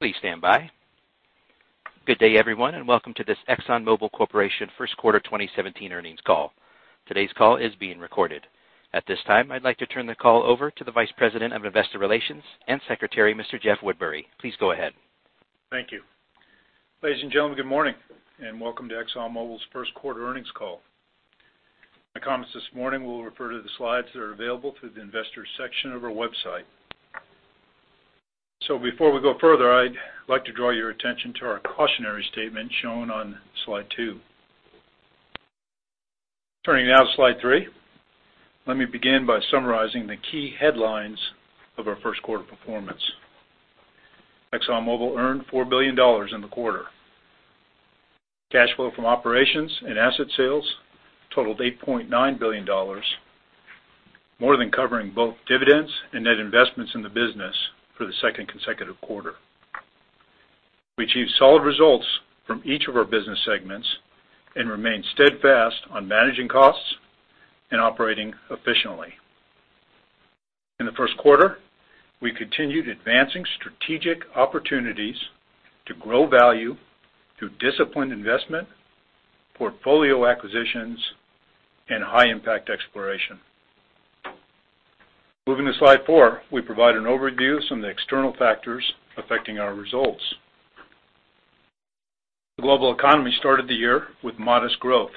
Please stand by. Good day, everyone, and welcome to this Exxon Mobil Corporation first quarter 2017 earnings call. Today's call is being recorded. At this time, I'd like to turn the call over to the Vice President of Investor Relations and Secretary, Mr. Jeff Woodbury. Please go ahead. Thank you. Ladies and gentlemen, good morning, and welcome to ExxonMobil's first quarter earnings call. My comments this morning will refer to the slides that are available through the Investors section of our website. Before we go further, I'd like to draw your attention to our cautionary statement shown on slide two. Turning now to slide three. Let me begin by summarizing the key headlines of our first quarter performance. ExxonMobil earned $4 billion in the quarter. Cash flow from operations and asset sales totaled $8.9 billion, more than covering both dividends and net investments in the business for the second consecutive quarter. We achieved solid results from each of our business segments and remain steadfast on managing costs and operating efficiently. In the first quarter, we continued advancing strategic opportunities to grow value through disciplined investment, portfolio acquisitions, and high impact exploration. Moving to slide four, we provide an overview of some of the external factors affecting our results. The global economy started the year with modest growth.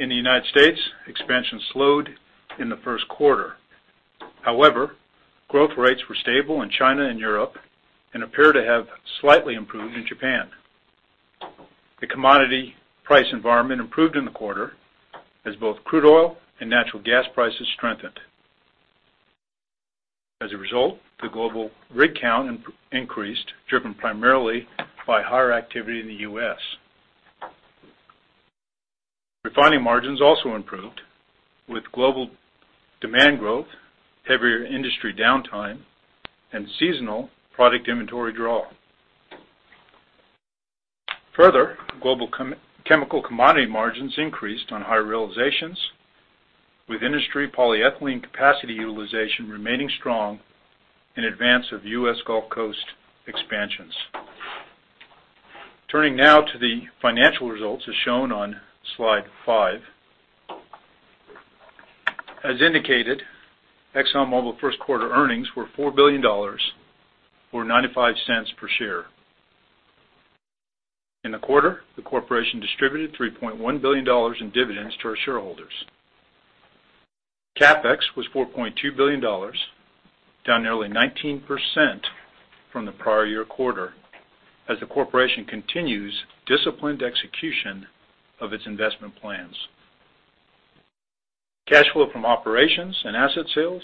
In the United States, expansion slowed in the first quarter. However, growth rates were stable in China and Europe and appear to have slightly improved in Japan. The commodity price environment improved in the quarter as both crude oil and natural gas prices strengthened. As a result, the global rig count increased, driven primarily by higher activity in the U.S. Refining margins also improved with global demand growth, heavier industry downtime, and seasonal product inventory draw. Further, global chemical commodity margins increased on higher realizations, with industry polyethylene capacity utilization remaining strong in advance of U.S. Gulf Coast expansions. Turning now to the financial results as shown on slide five. As indicated, ExxonMobil first quarter earnings were $4 billion or $0.95 per share. In the quarter, the corporation distributed $3.1 billion in dividends to our shareholders. CapEx was $4.2 billion, down nearly 19% from the prior year quarter as the corporation continues disciplined execution of its investment plans. Cash flow from operations and asset sales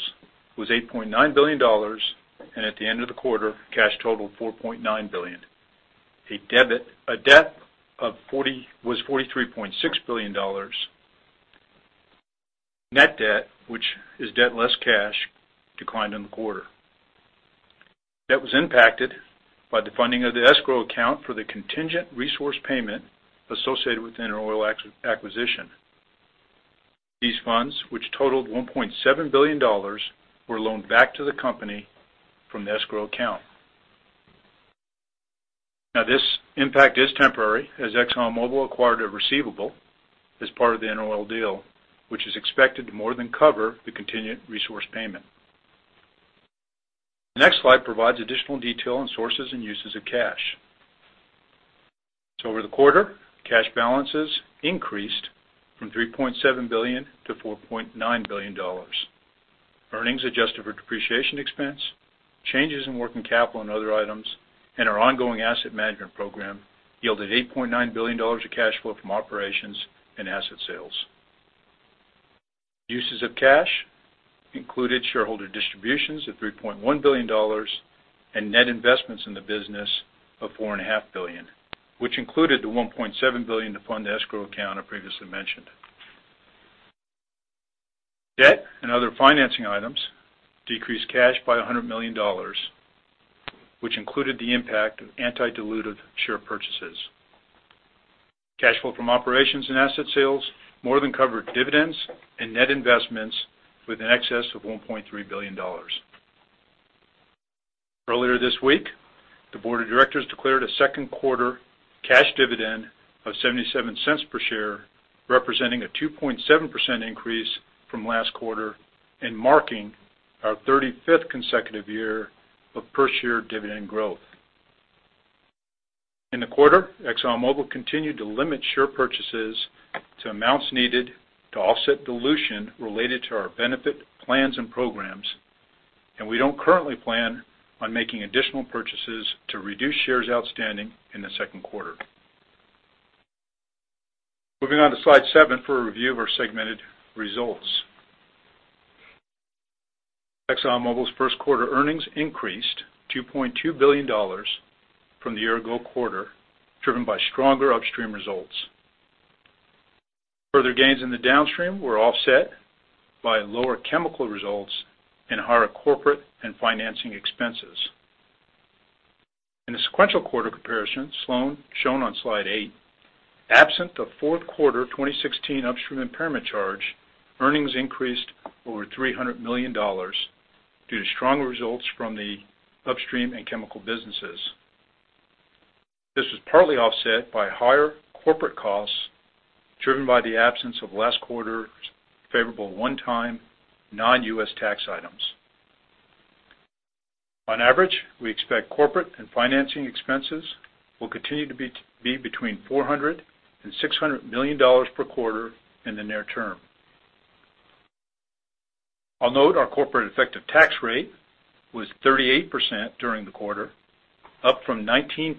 was $8.9 billion, and at the end of the quarter, cash totaled $4.9 billion. Debt was $43.6 billion. Net debt, which is debt less cash, declined in the quarter. That was impacted by the funding of the escrow account for the contingent resource payment associated with the InterOil acquisition. These funds, which totaled $1.7 billion, were loaned back to the company from the escrow account. This impact is temporary, as ExxonMobil acquired a receivable as part of the InterOil deal, which is expected to more than cover the continued resource payment. The next slide provides additional detail on sources and uses of cash. Over the quarter, cash balances increased from $3.7 billion to $4.9 billion. Earnings adjusted for depreciation expense, changes in working capital and other items, and our ongoing asset management program yielded $8.9 billion of cash flow from operations and asset sales. Uses of cash included shareholder distributions of $3.1 billion and net investments in the business of $4.5 billion, which included the $1.7 billion to fund the escrow account I previously mentioned. Debt and other financing items decreased cash by $100 million, which included the impact of anti-dilutive share purchases. Cash flow from operations and asset sales more than covered dividends and net investments with an excess of $1.3 billion. Earlier this week, the board of directors declared a second quarter cash dividend of $0.77 per share, representing a 2.7% increase from last quarter and marking our 35th consecutive year of per share dividend growth. In the quarter, ExxonMobil continued to limit share purchases to amounts needed to offset dilution related to our benefit plans and programs, and we don't currently plan on making additional purchases to reduce shares outstanding in the second quarter. Moving on to slide seven for a review of our segmented results. ExxonMobil's first quarter earnings increased $2.2 billion from the year-ago quarter, driven by stronger Upstream results. Further gains in the Downstream were offset by lower Chemical results and higher corporate and financing expenses. In a sequential quarter comparison shown on slide eight, absent the fourth quarter 2016 Upstream impairment charge, earnings increased over $300 million due to stronger results from the Upstream and Chemical businesses. This was partly offset by higher corporate costs driven by the absence of last quarter's favorable one-time non-U.S. tax items. On average, we expect corporate and financing expenses will continue to be between $400 million-$600 million per quarter in the near term. I'll note our corporate effective tax rate was 38% during the quarter, up from 19%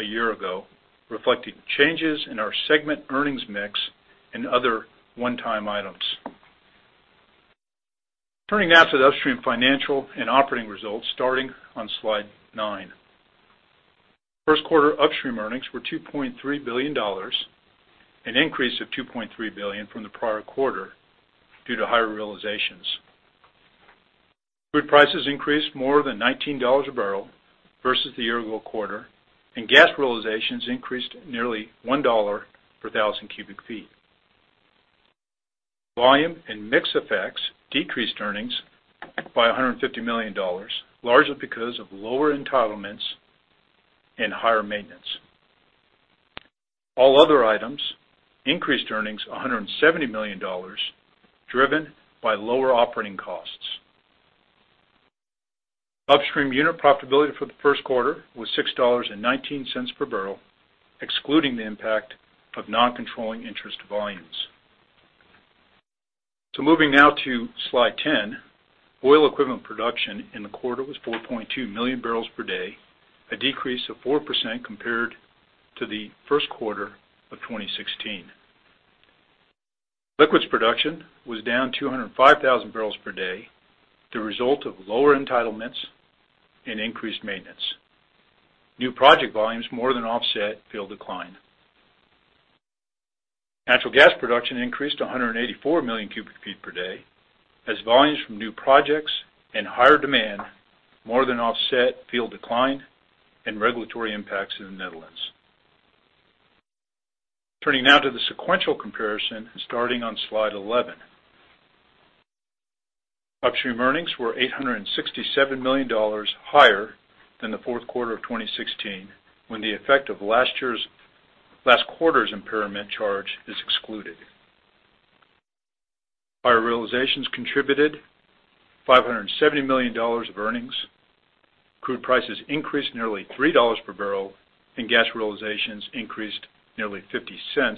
a year ago, reflecting changes in our segment earnings mix and other one-time items. Turning now to the Upstream financial and operating results starting on slide nine. First quarter Upstream earnings were $2.3 billion, an increase of $2.3 billion from the prior quarter due to higher realizations. Crude prices increased more than $19 a barrel versus the year-ago quarter, and gas realizations increased nearly $1 per thousand cubic feet. Volume and mix effects decreased earnings by $150 million, largely because of lower entitlements and higher maintenance. All other items increased earnings $170 million, driven by lower operating costs. Upstream unit profitability for the first quarter was $6.19 per barrel, excluding the impact of non-controlling interest volumes. Moving now to slide 10. Oil equivalent production in the quarter was 4.2 million barrels per day, a decrease of 4% compared to the first quarter of 2016. Liquids production was down 205,000 barrels per day, the result of lower entitlements and increased maintenance. New project volumes more than offset field decline. Natural gas production increased to 184 million cubic feet per day as volumes from new projects and higher demand more than offset field decline and regulatory impacts in the Netherlands. Turning now to the sequential comparison and starting on slide 11. Upstream earnings were $867 million higher than the fourth quarter of 2016, when the effect of last quarter's impairment charge is excluded. Higher realizations contributed $570 million of earnings. Crude prices increased nearly $3 per barrel, gas realizations increased nearly $0.50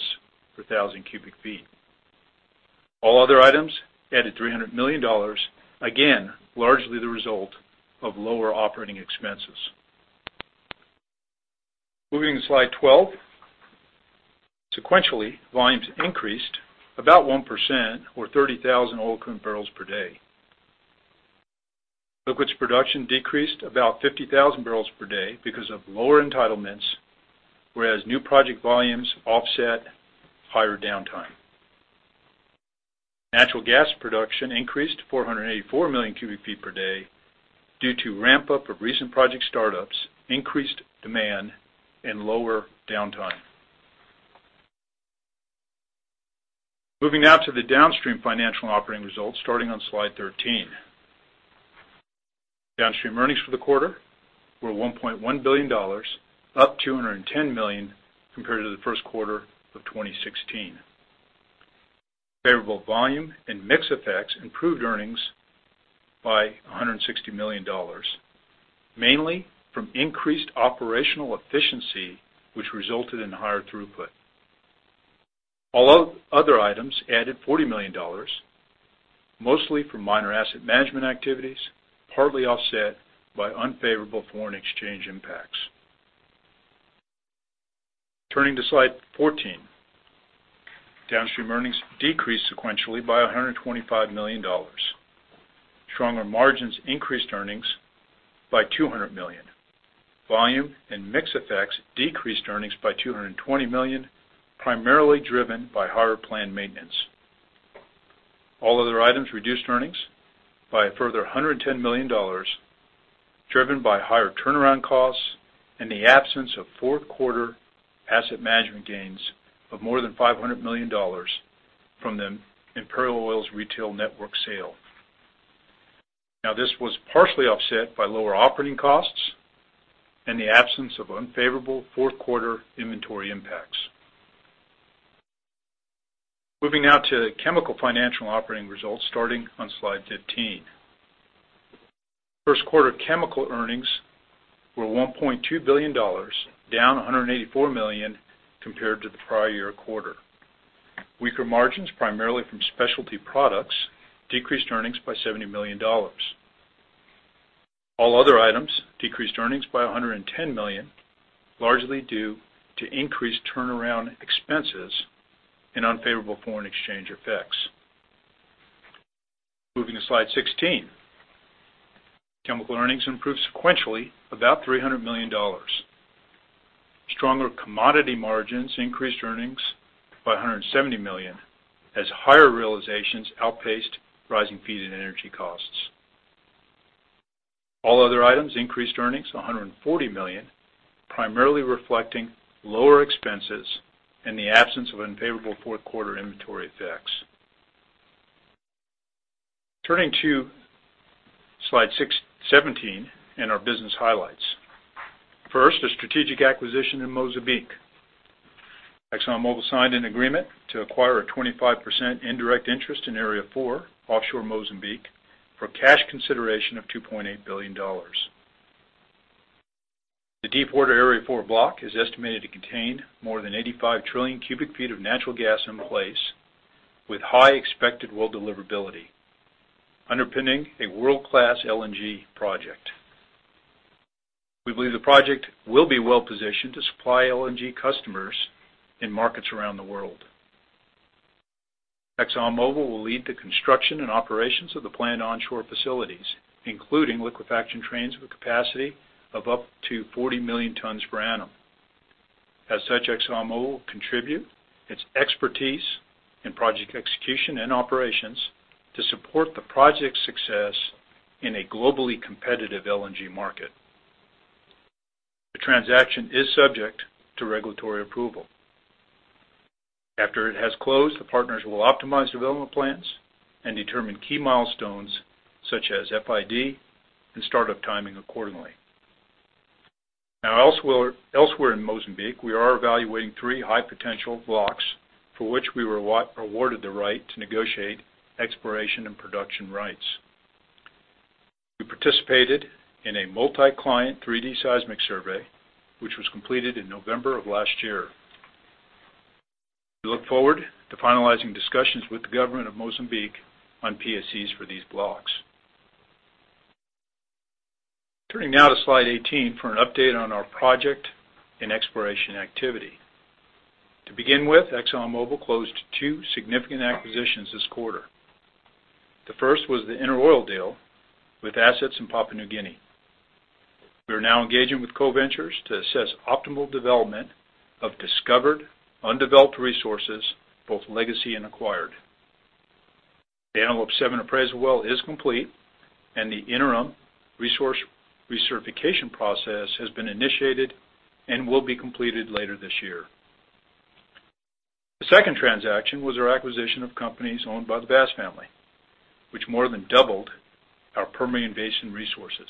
per thousand cubic feet. All other items added $300 million, again, largely the result of lower operating expenses. Moving to slide 12. Sequentially, volumes increased about 1%, or 30,000 oil equivalent barrels per day. Liquids production decreased about 50,000 barrels per day because of lower entitlements, whereas new project volumes offset higher downtime. Natural gas production increased to 484 million cubic feet per day due to ramp-up of recent project startups, increased demand, and lower downtime. Moving now to the downstream financial operating results starting on slide 13. Downstream earnings for the quarter were $1.1 billion, up $210 million compared to the first quarter of 2016. Favorable volume and mix effects improved earnings by $160 million, mainly from increased operational efficiency which resulted in higher throughput. All other items added $40 million, mostly from minor asset management activities, partly offset by unfavorable foreign exchange impacts. Turning to slide 14. Downstream earnings decreased sequentially by $125 million. Stronger margins increased earnings by $200 million. Volume and mix effects decreased earnings by $220 million, primarily driven by higher planned maintenance. All other items reduced earnings by a further $110 million, driven by higher turnaround costs and the absence of fourth quarter asset management gains of more than $500 million from the Imperial Oil's retail network sale. This was partially offset by lower operating costs and the absence of unfavorable fourth quarter inventory impacts. Moving now to chemical financial operating results starting on slide 15. First quarter chemical earnings were $1.2 billion, down $184 million compared to the prior year quarter. Weaker margins, primarily from specialty products, decreased earnings by $70 million. All other items decreased earnings by $110 million, largely due to increased turnaround expenses and unfavorable foreign exchange effects. Moving to slide 16. Chemical earnings improved sequentially about $300 million. Stronger commodity margins increased earnings by $170 million as higher realizations outpaced rising feed and energy costs. All other items increased earnings $140 million, primarily reflecting lower expenses in the absence of unfavorable fourth-quarter inventory effects. Turning to slide 17 and our business highlights. First, a strategic acquisition in Mozambique. ExxonMobil signed an agreement to acquire a 25% indirect interest in Area 4 offshore Mozambique for cash consideration of $2.8 billion. The deepwater Area 4 block is estimated to contain more than 85 trillion cubic feet of natural gas in place, with high expected well deliverability underpinning a world-class LNG project. We believe the project will be well-positioned to supply LNG customers in markets around the world. ExxonMobil will lead the construction and operations of the planned onshore facilities, including liquefaction trains with a capacity of up to 40 million tons per annum. As such, ExxonMobil will contribute its expertise in project execution and operations to support the project's success in a globally competitive LNG market. The transaction is subject to regulatory approval. After it has closed, the partners will optimize development plans and determine key milestones such as FID and start-up timing accordingly. Elsewhere in Mozambique, we are evaluating three high-potential blocks for which we were awarded the right to negotiate exploration and production rights. We participated in a multi-client 3D seismic survey which was completed in November of last year. We look forward to finalizing discussions with the government of Mozambique on PSCs for these blocks. Turning now to slide 18 for an update on our project and exploration activity. To begin with, ExxonMobil closed two significant acquisitions this quarter. The first was the InterOil deal with assets in Papua New Guinea. We are now engaging with co-ventures to assess optimal development of discovered undeveloped resources, both legacy and acquired. The Antelope-7 appraisal well is complete, and the interim resource recertification process has been initiated and will be completed later this year. The second transaction was our acquisition of companies owned by the Bass family, which more than doubled our Permian Basin resources.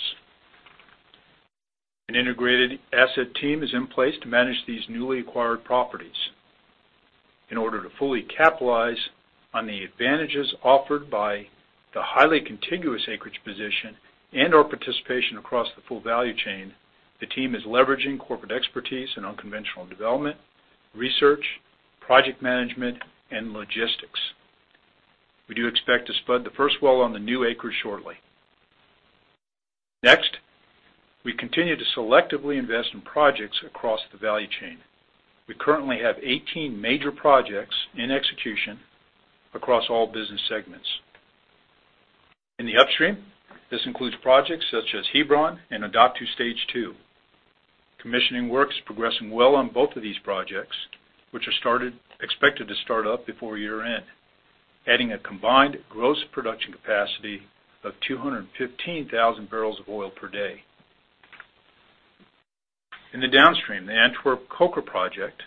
An integrated asset team is in place to manage these newly acquired properties. In order to fully capitalize on the advantages offered by the highly contiguous acreage position and our participation across the full value chain, the team is leveraging corporate expertise in unconventional development, research, project management, and logistics. We do expect to spud the first well on the new acreage shortly. Next, we continue to selectively invest in projects across the value chain. We currently have 18 major projects in execution across all business segments. In the upstream, this includes projects such as Hebron and Odoptu Stage Two. Commissioning work is progressing well on both of these projects, which are expected to start up before year-end, adding a combined gross production capacity of 215,000 barrels of oil per day. In the downstream, the Antwerp Coker project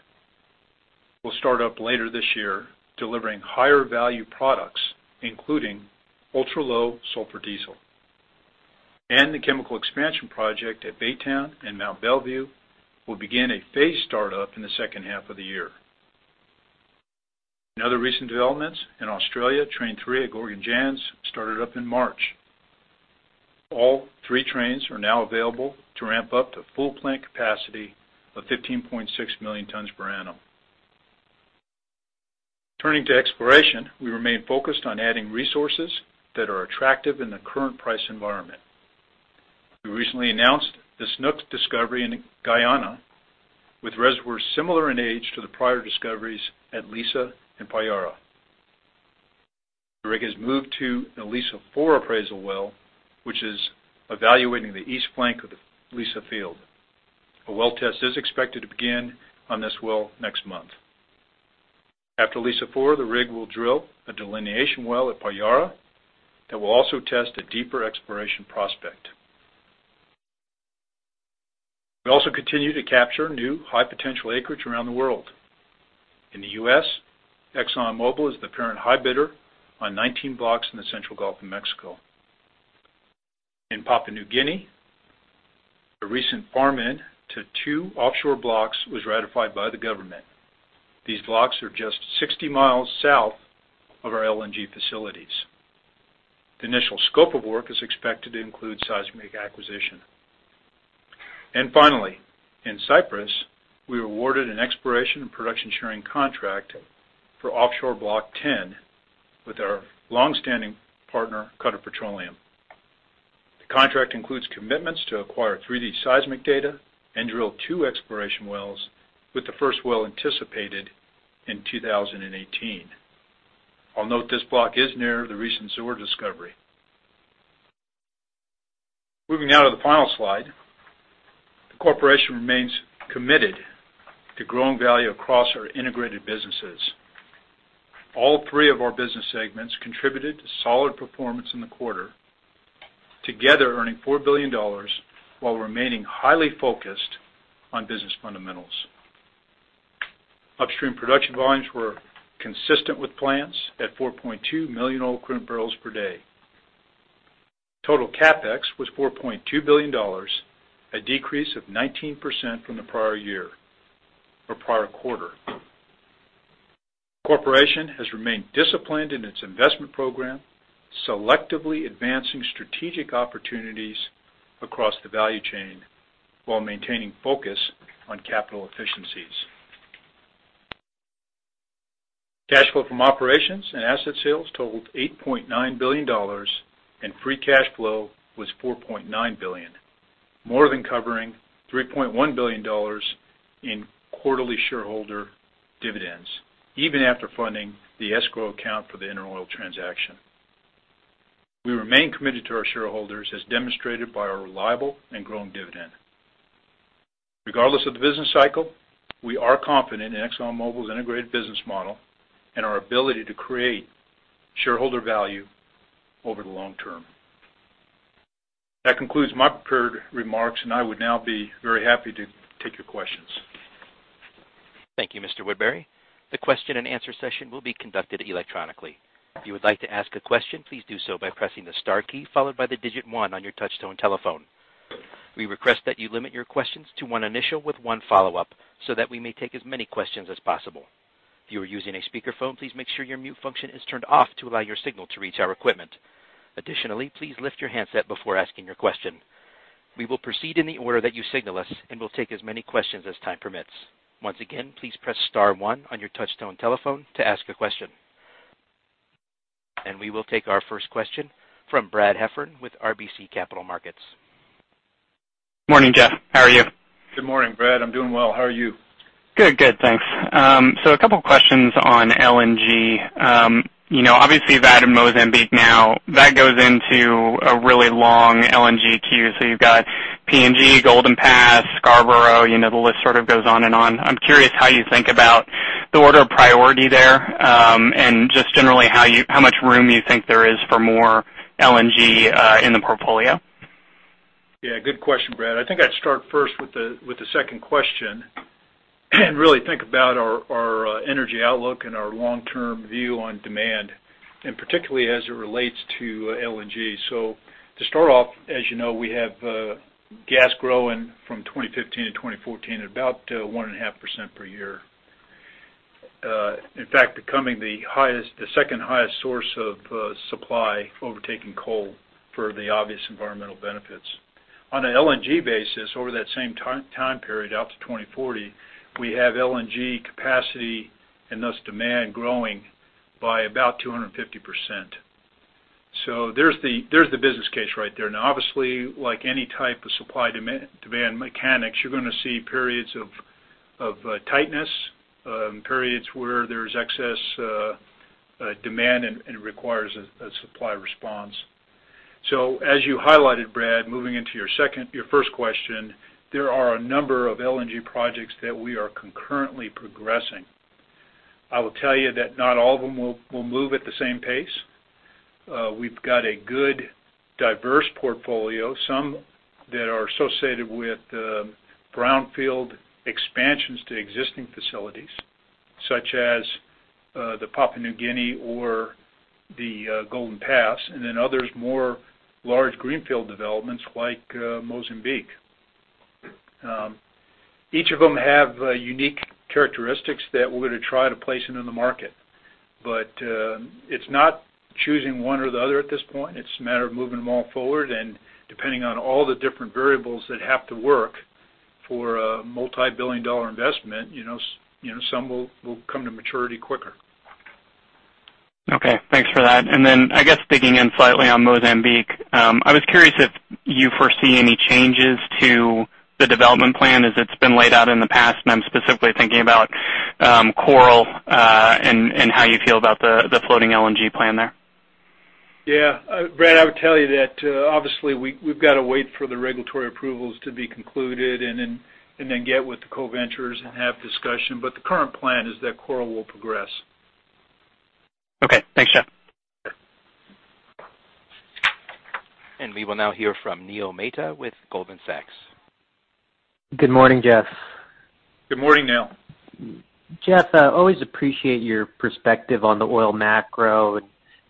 will start up later this year, delivering higher-value products, including ultra-low sulfur diesel. The chemical expansion project at Baytown and Mont Belvieu will begin a phased start-up in the second half of the year. In other recent developments in Australia, train three at Gorgon LNG started up in March. All three trains are now available to ramp up to full plant capacity of 15.6 million tons per annum. Turning to exploration, we remain focused on adding resources that are attractive in the current price environment. We recently announced the Snoek discovery in Guyana, with reservoirs similar in age to the prior discoveries at Liza and Payara. The rig has moved to the Liza-4 appraisal well, which is evaluating the east flank of the Liza field. A well test is expected to begin on this well next month. After Liza-4, the rig will drill a delineation well at Payara that will also test a deeper exploration prospect. We also continue to capture new high-potential acreage around the world. In the U.S., ExxonMobil is the apparent high bidder on 19 blocks in the central Gulf of Mexico. In Papua New Guinea, a recent farm-in to two offshore blocks was ratified by the government. These blocks are just 60 miles south of our LNG facilities. The initial scope of work is expected to include seismic acquisition. Finally, in Cyprus, we were awarded an exploration and production sharing contract for offshore Block 10 with our long-standing partner, Qatar Petroleum. The contract includes commitments to acquire 3D seismic data and drill two exploration wells, with the first well anticipated in 2018. I'll note this block is near the recent Zohr discovery. Moving now to the final slide. The corporation remains committed to growing value across our integrated businesses. All three of our business segments contributed to solid performance in the quarter, together earning $4 billion while remaining highly focused on business fundamentals. Upstream production volumes were consistent with plants at 4.2 million oil equivalent barrels per day. Total CapEx was $4.2 billion, a decrease of 19% from the prior year or prior quarter. Corporation has remained disciplined in its investment program, selectively advancing strategic opportunities across the value chain while maintaining focus on capital efficiencies. Cash flow from operations and asset sales totaled $8.9 billion, and free cash flow was $4.9 billion, more than covering $3.1 billion in quarterly shareholder dividends, even after funding the escrow account for the InterOil transaction. We remain committed to our shareholders as demonstrated by our reliable and growing dividend. Regardless of the business cycle, we are confident in ExxonMobil's integrated business model and our ability to create shareholder value over the long term. That concludes my prepared remarks. I would now be very happy to take your questions. Thank you, Mr. Woodbury. The question and answer session will be conducted electronically. If you would like to ask a question, please do so by pressing the star key, followed by the digit 1 on your touchtone telephone. We request that you limit your questions to one initial with one follow-up so that we may take as many questions as possible. If you are using a speakerphone, please make sure your mute function is turned off to allow your signal to reach our equipment. Additionally, please lift your handset before asking your question. We will proceed in the order that you signal us. We'll take as many questions as time permits. Once again, please press star one on your touchtone telephone to ask a question. We will take our first question from Brad Heffern with RBC Capital Markets. Morning, Jeff. How are you? Good morning, Brad. I'm doing well. How are you? Good, thanks. A couple questions on LNG. Obviously you've added Mozambique now. That goes into a really long LNG queue. You've got PNG, Golden Pass, Scarborough, the list sort of goes on and on. I'm curious how you think about the order of priority there, and just generally how much room you think there is for more LNG in the portfolio. Yeah, good question, Brad. I think I'd start first with the second question and really think about our energy outlook and our long-term view on demand, and particularly as it relates to LNG. To start off, as you know, we have gas growing from 2015 to 2040 at about 1.5% per year. In fact, becoming the second highest source of supply overtaking coal for the obvious environmental benefits. On an LNG basis, over that same time period, out to 2040, we have LNG capacity and thus demand growing by about 250%. There's the business case right there. Now obviously, like any type of supply-demand mechanics, you're going to see periods of tightness, periods where there's excess demand and it requires a supply response. As you highlighted, Brad, moving into your first question, there are a number of LNG projects that we are concurrently progressing. I will tell you that not all of them will move at the same pace. We've got a good diverse portfolio, some that are associated with brownfield expansions to existing facilities, such as the Papua New Guinea or the Golden Pass, and then others more large greenfield developments like Mozambique. Each of them have unique characteristics that we're going to try to place into the market. It's not choosing one or the other at this point. It's a matter of moving them all forward and depending on all the different variables that have to work for a multi-billion dollar investment, some will come to maturity quicker. Okay, thanks for that. I guess digging in slightly on Mozambique, I was curious if you foresee any changes to the development plan as it's been laid out in the past, and I'm specifically thinking about Coral and how you feel about the floating LNG plan there. Yeah. Brad, I would tell you that obviously we've got to wait for the regulatory approvals to be concluded and then get with the co-ventures and have discussion. The current plan is that Coral will progress. Okay, thanks, Jeff. We will now hear from Neil Mehta with Goldman Sachs. Good morning, Jeff. Good morning, Neil. Jeff, I always appreciate your perspective on the oil macro.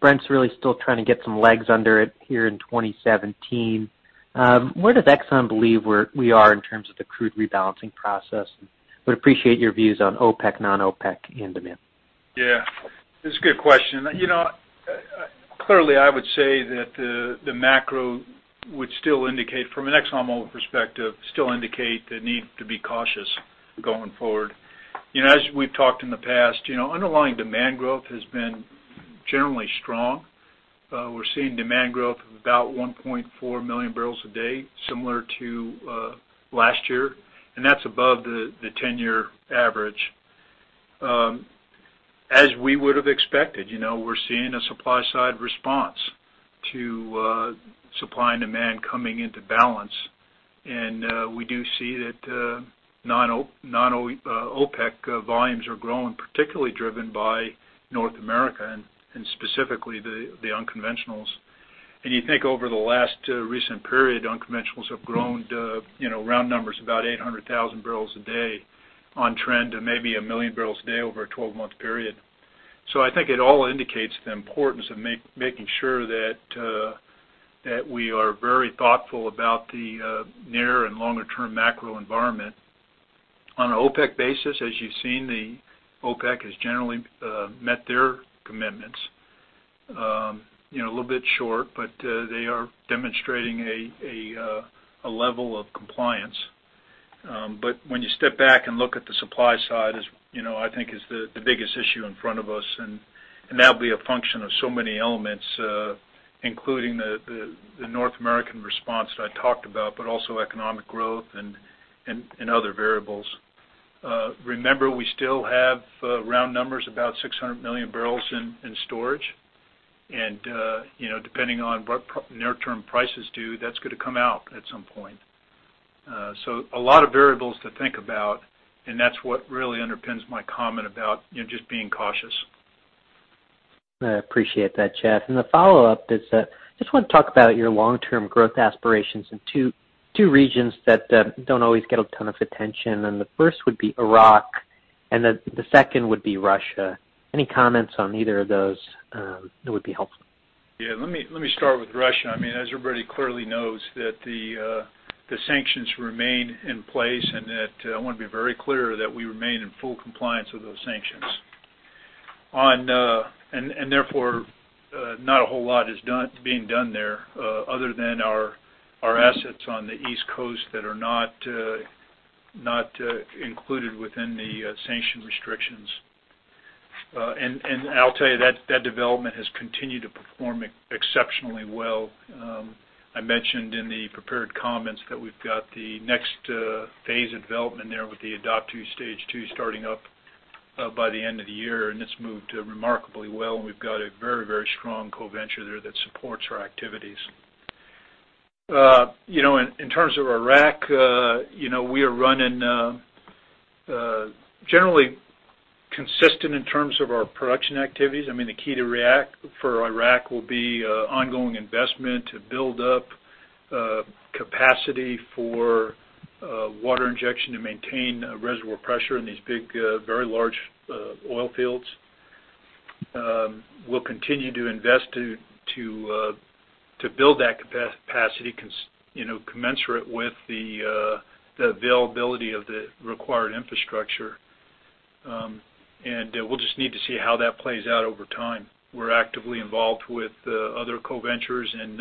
Brent's really still trying to get some legs under it here in 2017. Where does Exxon believe we are in terms of the crude rebalancing process? Would appreciate your views on OPEC, non-OPEC and demand. Yeah. It's a good question. Clearly I would say that the macro would still indicate from an Exxon Mobil perspective, still indicate the need to be cautious going forward. As we've talked in the past, underlying demand growth has been generally strong. We're seeing demand growth of about 1.4 million barrels a day, similar to last year, and that's above the 10-year average. As we would have expected, we're seeing a supply-side response to supply and demand coming into balance. We do see that non-OPEC volumes are growing, particularly driven by North America and specifically the unconventionals. And you think over the last recent period, unconventionals have grown, round numbers, about 800,000 barrels a day on trend and maybe a million barrels a day over a 12-month period. I think it all indicates the importance of making sure that we are very thoughtful about the near and longer-term macro environment. On an OPEC basis, as you've seen, the OPEC has generally met their commitments. A little bit short, but they are demonstrating a level of compliance. When you step back and look at the supply side, I think is the biggest issue in front of us, and that'll be a function of so many elements, including the North American response that I talked about, but also economic growth and other variables. Remember, we still have round numbers, about 600 million barrels in storage. Depending on what near-term prices do, that's going to come out at some point. A lot of variables to think about, and that's what really underpins my comment about just being cautious. I appreciate that, Jeff. The follow-up is, I just want to talk about your long-term growth aspirations in two regions that don't always get a ton of attention. The first would be Iraq, the second would be Russia. Any comments on either of those would be helpful. Yeah. Let me start with Russia. As everybody clearly knows, that the sanctions remain in place, and I want to be very clear that we remain in full compliance with those sanctions. Therefore, not a whole lot is being done there other than our assets on the East Coast that are not included within the sanction restrictions. I'll tell you, that development has continued to perform exceptionally well. I mentioned in the prepared comments that we've got the next phase of development there with the Odoptu Stage 2 starting up by the end of the year, and it's moved remarkably well, and we've got a very strong co-venture there that supports our activities. In terms of Iraq, we are running generally consistent in terms of our production activities. The key for Iraq will be ongoing investment to build up capacity for water injection to maintain reservoir pressure in these big, very large oil fields. We'll continue to invest to build that capacity commensurate with the availability of the required infrastructure. We'll just need to see how that plays out over time. We're actively involved with other co-ventures and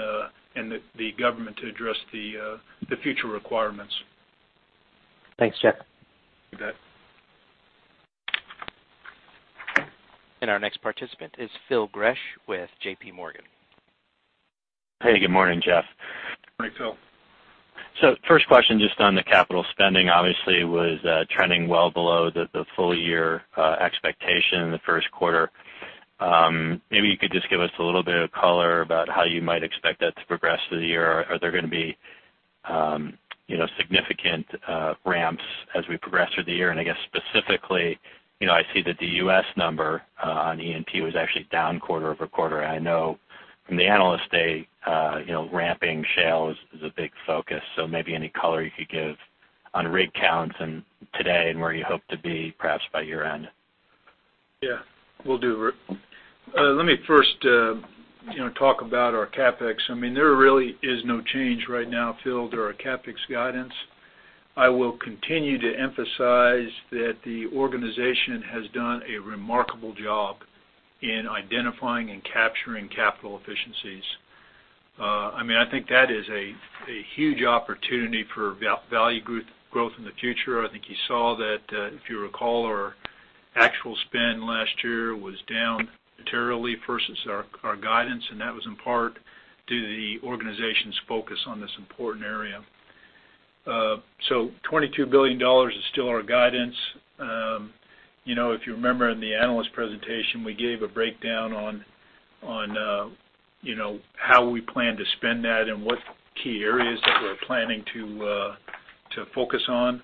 the government to address the future requirements. Thanks, Jeff. You bet. Our next participant is Phil Gresh with JPMorgan. Hey, good morning, Jeff. Morning, Phil. First question, just on the capital spending, obviously was trending well below the full-year expectation in the first quarter. Maybe you could just give us a little bit of color about how you might expect that to progress through the year. Are there going to be significant ramps as we progress through the year? I guess specifically, I see that the U.S. number on E&P was actually down quarter-over-quarter. I know from the Analyst Day ramping shale is a big focus, maybe any color you could give on rig counts today and where you hope to be perhaps by year-end. Yeah. Will do. Let me first talk about our CapEx. There really is no change right now, Phil, to our CapEx guidance. I will continue to emphasize that the organization has done a remarkable job in identifying and capturing capital efficiencies. I think that is a huge opportunity for value growth in the future. I think you saw that, if you recall, our actual spend last year was down materially versus our guidance, that was in part due to the organization's focus on this important area. $22 billion is still our guidance. If you remember in the analyst presentation, we gave a breakdown on how we plan to spend that and what key areas that we're planning to focus on.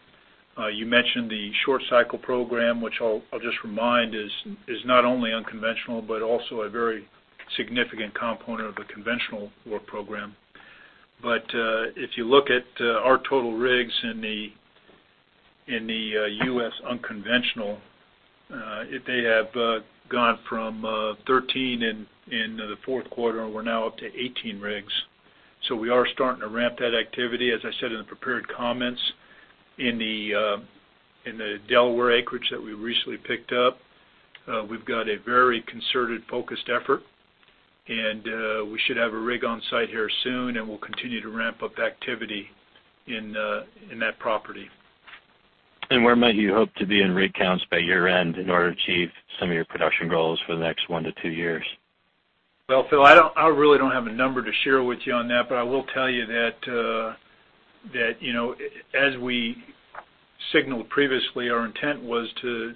You mentioned the short cycle program, which I'll just remind is not only unconventional, but also a very significant component of the conventional work program. If you look at our total rigs in the U.S. unconventional, they have gone from 13 in the fourth quarter, we're now up to 18 rigs. We are starting to ramp that activity. As I said in the prepared comments, in the Delaware acreage that we recently picked up, we've got a very concerted, focused effort, we should have a rig on site here soon, we'll continue to ramp up activity in that property. Where might you hope to be in rig counts by year-end in order to achieve some of your production goals for the next one to two years? Well, Phil Gresh, I really don't have a number to share with you on that, but I will tell you that as we signaled previously, our intent was to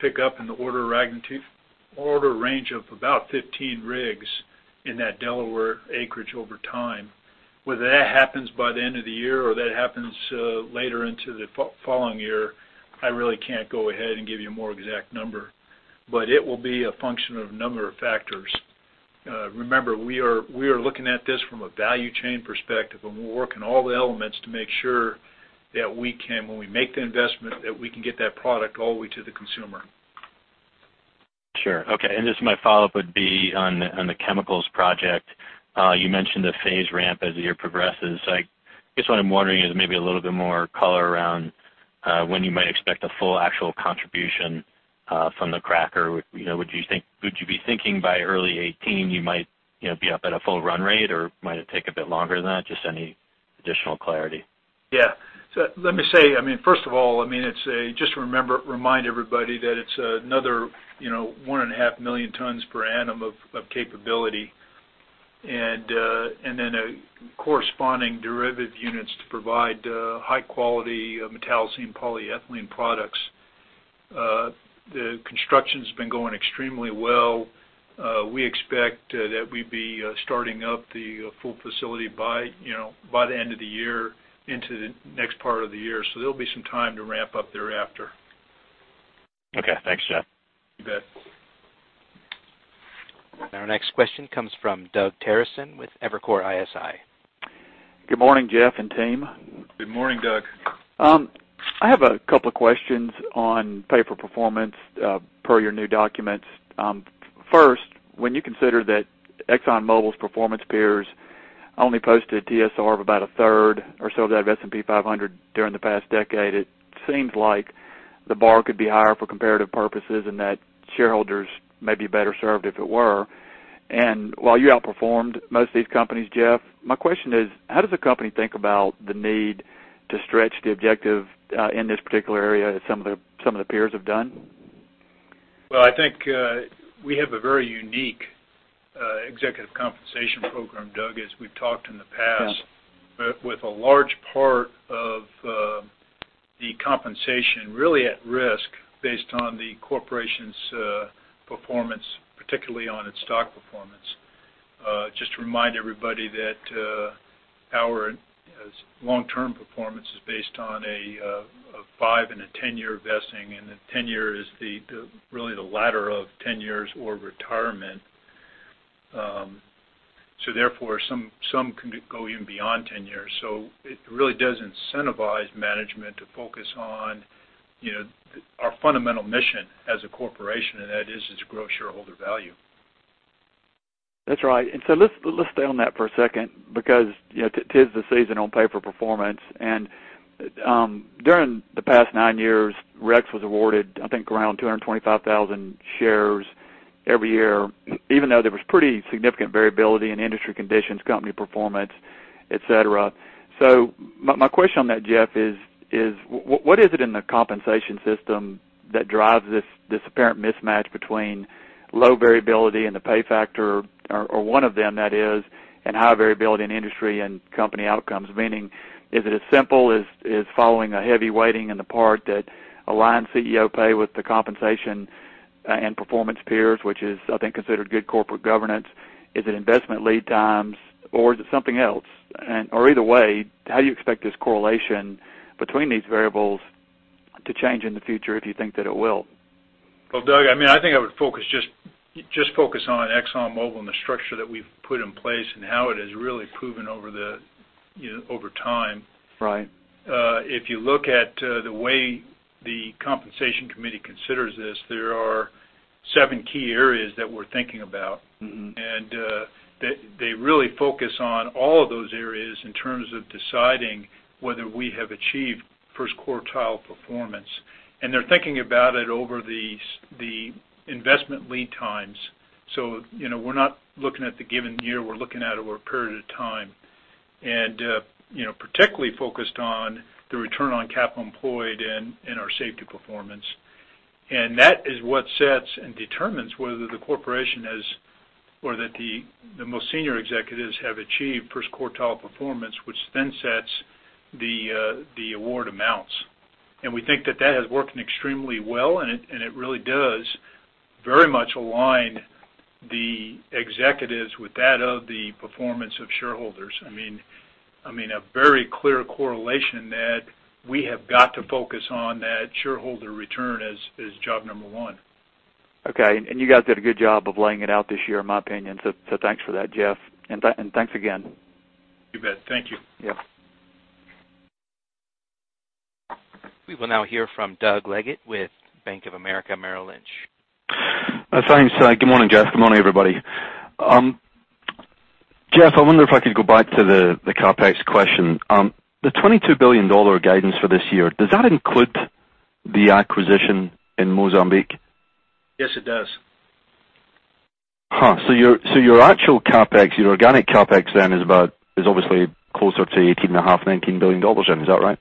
pick up in the order range of about 15 rigs in that Delaware acreage over time. Whether that happens by the end of the year or that happens later into the following year, I really can't go ahead and give you a more exact number. It will be a function of a number of factors. Remember, we are looking at this from a value chain perspective, and we're working all the elements to make sure that when we make the investment, that we can get that product all the way to the consumer. Sure. Okay. Just my follow-up would be on the chemicals project. You mentioned the phase ramp as the year progresses. I guess what I'm wondering is maybe a little bit more color around when you might expect a full actual contribution from the cracker. Would you be thinking by early 2018 you might be up at a full run rate, or might it take a bit longer than that? Just any additional clarity. Yeah. Let me say, first of all, just remind everybody that it's another one and a half million tons per annum of capability, and then corresponding derivative units to provide high-quality metallocene polyethylene products. The construction's been going extremely well. We expect that we'd be starting up the full facility by the end of the year into the next part of the year. There'll be some time to ramp up thereafter. Okay, thanks, Jeff Woodbury. You bet. Our next question comes from Doug Terreson with Evercore ISI. Good morning, Jeff and team. Good morning, Doug. I have a couple of questions on pay for performance per your new documents. First, when you consider that ExxonMobil's performance peers only posted a TSR of about a third or so of S&P 500 during the past decade, it seems like the bar could be higher for comparative purposes and that shareholders may be better served if it were. While you outperformed most of these companies, Jeff, my question is, how does the company think about the need to stretch the objective in this particular area as some of the peers have done? Well, I think we have a very unique executive compensation program, Doug, as we've talked in the past. Yeah. With a large part of the compensation really at risk based on the corporation's performance, particularly on its stock performance. Just to remind everybody that our long-term performance is based on a five- and a 10-year vesting, and the 10-year is really the latter of 10 years or retirement. Therefore, some can go even beyond 10 years. It really does incentivize management to focus on our fundamental mission as a corporation, and that is to grow shareholder value. That's right. Let's stay on that for a second because 'tis the season on pay for performance. During the past nine years, Rex was awarded, I think, around 225,000 shares every year, even though there was pretty significant variability in industry conditions, company performance, et cetera. My question on that, Jeff, is what is it in the compensation system that drives this apparent mismatch between low variability and the pay factor, or one of them that is, and high variability in industry and company outcomes? Meaning, is it as simple as following a heavy weighting in the part that align CEO pay with the compensation and performance peers, which is, I think, considered good corporate governance? Is it investment lead times or is it something else? Either way, how do you expect this correlation between these variables to change in the future if you think that it will? Well, Doug, I think I would just focus on ExxonMobil and the structure that we've put in place and how it has really proven over time. Right. If you look at the way the compensation committee considers this, there are seven key areas that we're thinking about. They really focus on all of those areas in terms of deciding whether we have achieved first quartile performance. They're thinking about it over the investment lead times. We're not looking at the given year, we're looking at over a period of time. Particularly focused on the return on capital employed and our safety performance. That is what sets and determines whether the corporation has, or that the most senior executives have achieved first quartile performance, which then sets the award amounts. We think that that has worked extremely well, and it really does very much align the executives with that of the performance of shareholders. A very clear correlation that we have got to focus on that shareholder return as job number one. Okay. You guys did a good job of laying it out this year, in my opinion. Thanks for that, Jeff. Thanks again. You bet. Thank you. Yeah. We will now hear from Doug Leggate with Bank of America Merrill Lynch. Thanks. Good morning, Jeff. Good morning, everybody. Jeff, I wonder if I could go back to the CapEx question. The $22 billion guidance for this year, does that include the acquisition in Mozambique? Yes, it does. Your actual CapEx, your organic CapEx then is obviously closer to $18.5 billion, $19 billion then. Is that right?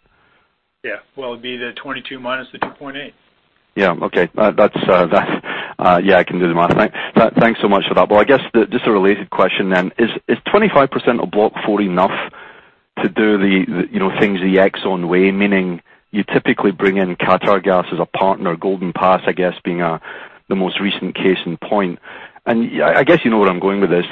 Yeah. It'd be the 22 minus the 2.8. Yeah. Okay. Yeah, I can do the math. Thanks so much for that. I guess, just a related question then. Is 25% of Area 4 enough to do the things the Exxon way, meaning you typically bring in Qatargas as a partner, Golden Pass, I guess, being the most recent case in point. I guess you know where I'm going with this.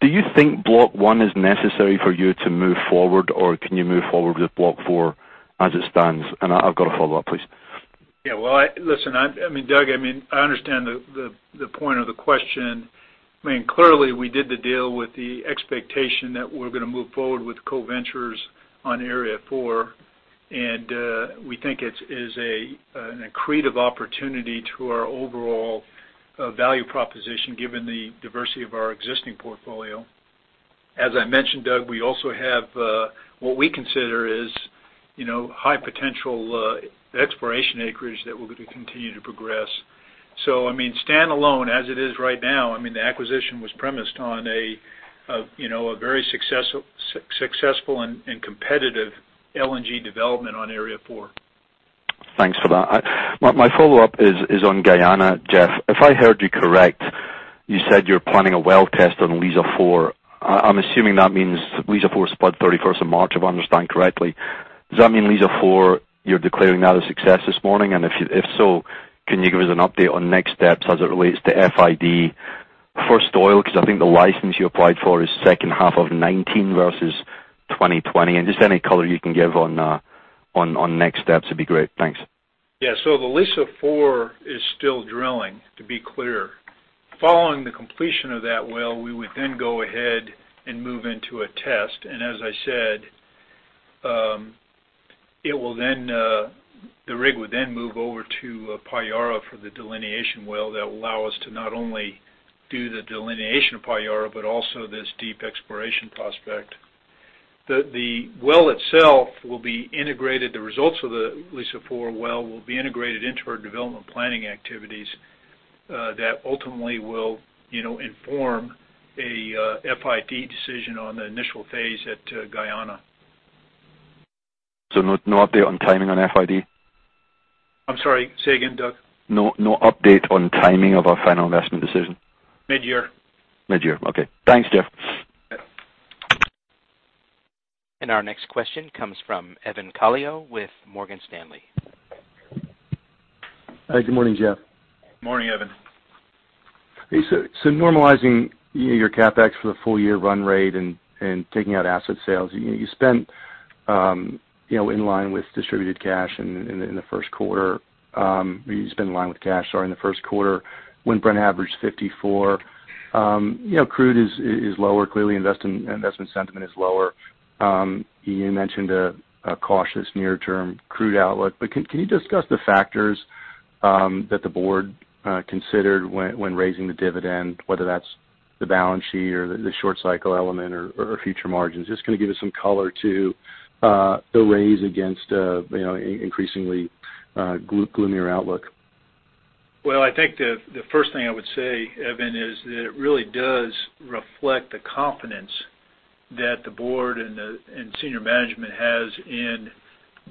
Do you think Block 1 is necessary for you to move forward, or can you move forward with Area 4 as it stands? I've got a follow-up, please. Well, listen, Doug, I understand the point of the question. Clearly, we did the deal with the expectation that we're going to move forward with co-ventures on Area 4, and we think it is an accretive opportunity to our overall value proposition given the diversity of our existing portfolio. As I mentioned, Doug, we also have what we consider is high potential exploration acreage that we're going to continue to progress. Standalone, as it is right now, the acquisition was premised on a very successful and competitive LNG development on Area 4. Thanks for that. My follow-up is on Guyana, Jeff. If I heard you correct, you said you're planning a well test on Liza-4. I'm assuming that means Liza-4 spud 31st of March, if I understand correctly. Does that mean Liza-4, you're declaring that a success this morning? If so, can you give us an update on next steps as it relates to FID first oil? Because I think the license you applied for is second half of 2019 versus 2020. Just any color you can give on next steps would be great. Thanks. The Liza-4 is still drilling, to be clear. Following the completion of that well, we would then go ahead and move into a test. As I said, the rig would then move over to Payara for the delineation well that will allow us to not only do the delineation of Payara, but also this deep exploration prospect. The well itself will be integrated, the results of the Liza-4 well will be integrated into our development planning activities that ultimately will inform a FID decision on the initial phase at Guyana. No update on timing on FID? I'm sorry. Say again, Doug. No update on timing of a final investment decision? Mid-year. Mid-year. Okay. Thanks, Jeff. Yeah. Our next question comes from Evan Calio with Morgan Stanley. Hi, good morning, Jeff. Morning, Evan. Normalizing your CapEx for the full-year run rate and taking out asset sales, you spent in line with distributed cash in the first quarter. You spent in line with cash during the first quarter when Brent averaged $54. Crude is lower. Clearly, investment sentiment is lower. You mentioned a cautious near-term crude outlook. Can you discuss the factors that the Board considered when raising the dividend, whether that's the balance sheet or the short cycle element or future margins? Just kind of give us some color to the raise against an increasingly gloomier outlook. Well, I think the first thing I would say, Evan, is that it really does reflect the confidence that the Board and senior management has in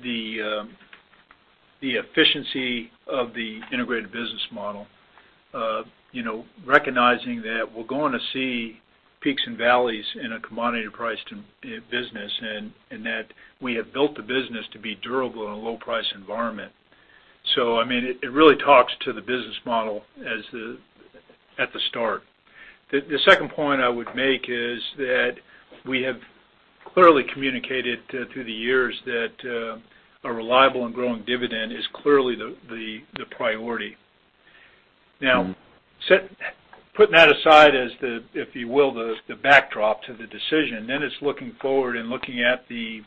the efficiency of the integrated business model. Recognizing that we're going to see peaks and valleys in a commodity-priced business, and that we have built the business to be durable in a low-price environment. It really talks to the business model at the start. The second point I would make is that we have clearly communicated through the years that a reliable and growing dividend is clearly the priority. Now, putting that aside as the, if you will, the backdrop to the decision, then it's looking forward and looking at the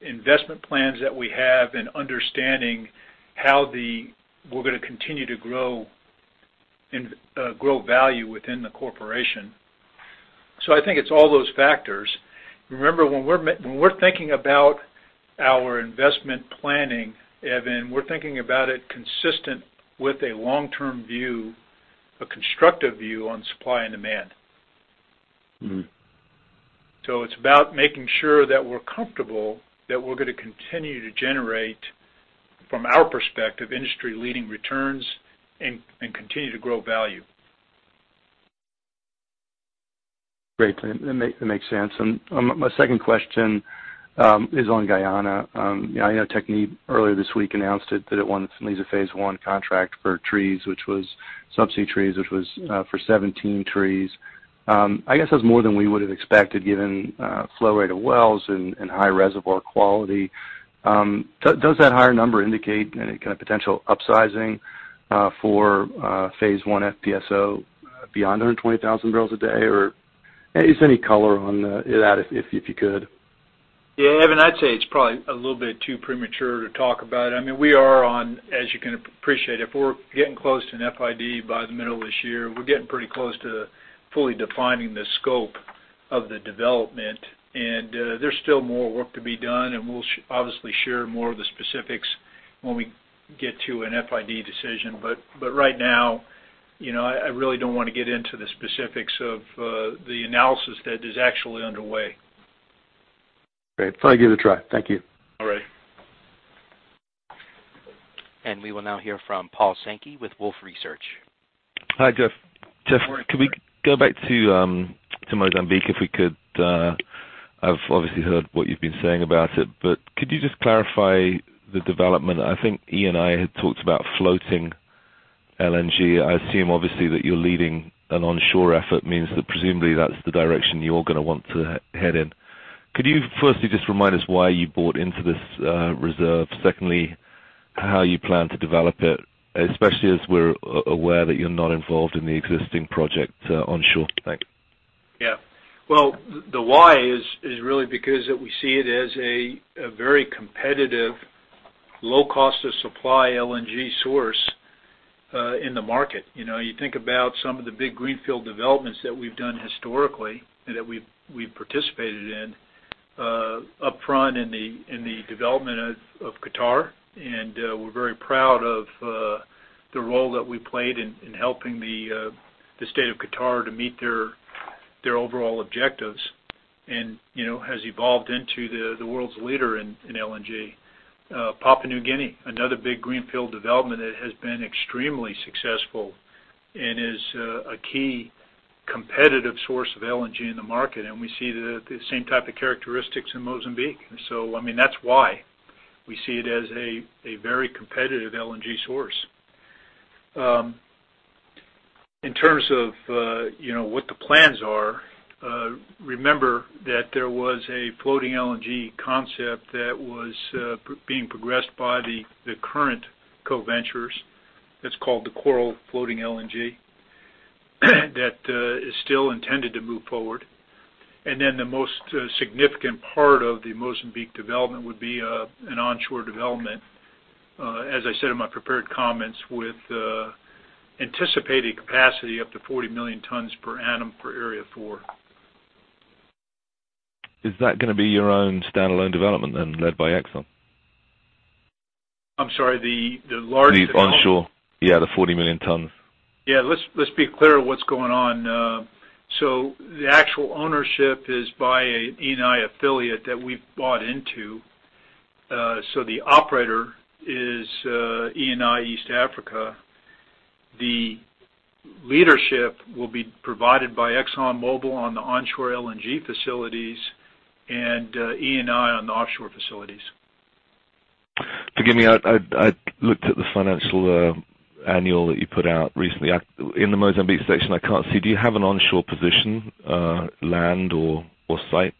investment plans that we have and understanding how we're going to continue to grow value within the Corporation. I think it's all those factors. Remember, when we're thinking about our investment planning, Evan, we're thinking about it consistent with a long-term view, a constructive view on supply and demand. It's about making sure that we're comfortable that we're going to continue to generate, from our perspective, industry-leading returns and continue to grow value. Great. That makes sense. My second question is on Guyana. TechnipFMC earlier this week announced that it won the Liza Phase 1 contract for trees, which was subsea trees, which was for 17 trees. I guess that's more than we would have expected given flow rate of wells and high reservoir quality. Does that higher number indicate any kind of potential upsizing for Phase 1 FPSO beyond 120,000 barrels a day? Or just any color on that, if you could? Yeah, Evan, I'd say it's probably a little bit too premature to talk about it. We are on, as you can appreciate, if we're getting close to an FID by the middle of this year, we're getting pretty close to fully defining the scope of the development. There's still more work to be done, and we'll obviously share more of the specifics when we get to an FID decision. Right now I really don't want to get into the specifics of the analysis that is actually underway. Great. Thought I'd give it a try. Thank you. All right. We will now hear from Paul Sankey with Wolfe Research. Hi, Jeff. Morning. Jeff, could we go back to Mozambique, if we could? I've obviously heard what you've been saying about it, but could you just clarify the development? I think Eni had talked about floating LNG. I assume, obviously, that you're leading an onshore effort means that presumably that's the direction you're going to want to head in. Could you firstly just remind us why you bought into this reserve? Secondly, how you plan to develop it, especially as we're aware that you're not involved in the existing project onshore. Thanks. Yeah. Well, the why is really because we see it as a very competitive, low cost of supply LNG source in the market. You think about some of the big greenfield developments that we've done historically and that we've participated in upfront in the development of Qatar, and we're very proud of the role that we played in helping the State of Qatar to meet their overall objectives and has evolved into the world's leader in LNG. Papua New Guinea, another big greenfield development that has been extremely successful and is a key competitive source of LNG in the market, and we see the same type of characteristics in Mozambique. That's why we see it as a very competitive LNG source. In terms of what the plans are, remember that there was a floating LNG concept that was being progressed by the current co-venturers. It's called the Coral Floating LNG. That is still intended to move forward. The most significant part of the Mozambique development would be an onshore development, as I said in my prepared comments, with anticipated capacity up to 40 million tons per annum for Area 4. Is that going to be your own standalone development, then, led by Exxon? I'm sorry, the large development? The onshore. Yeah, the 40 million tons. Yeah. Let's be clear what's going on. The actual ownership is by an Eni affiliate that we've bought into. The operator is Eni East Africa. The leadership will be provided by ExxonMobil on the onshore LNG facilities and Eni on the offshore facilities. Forgive me, I looked at the financial annual that you put out recently. In the Mozambique section, I can't see. Do you have an onshore position, land or site?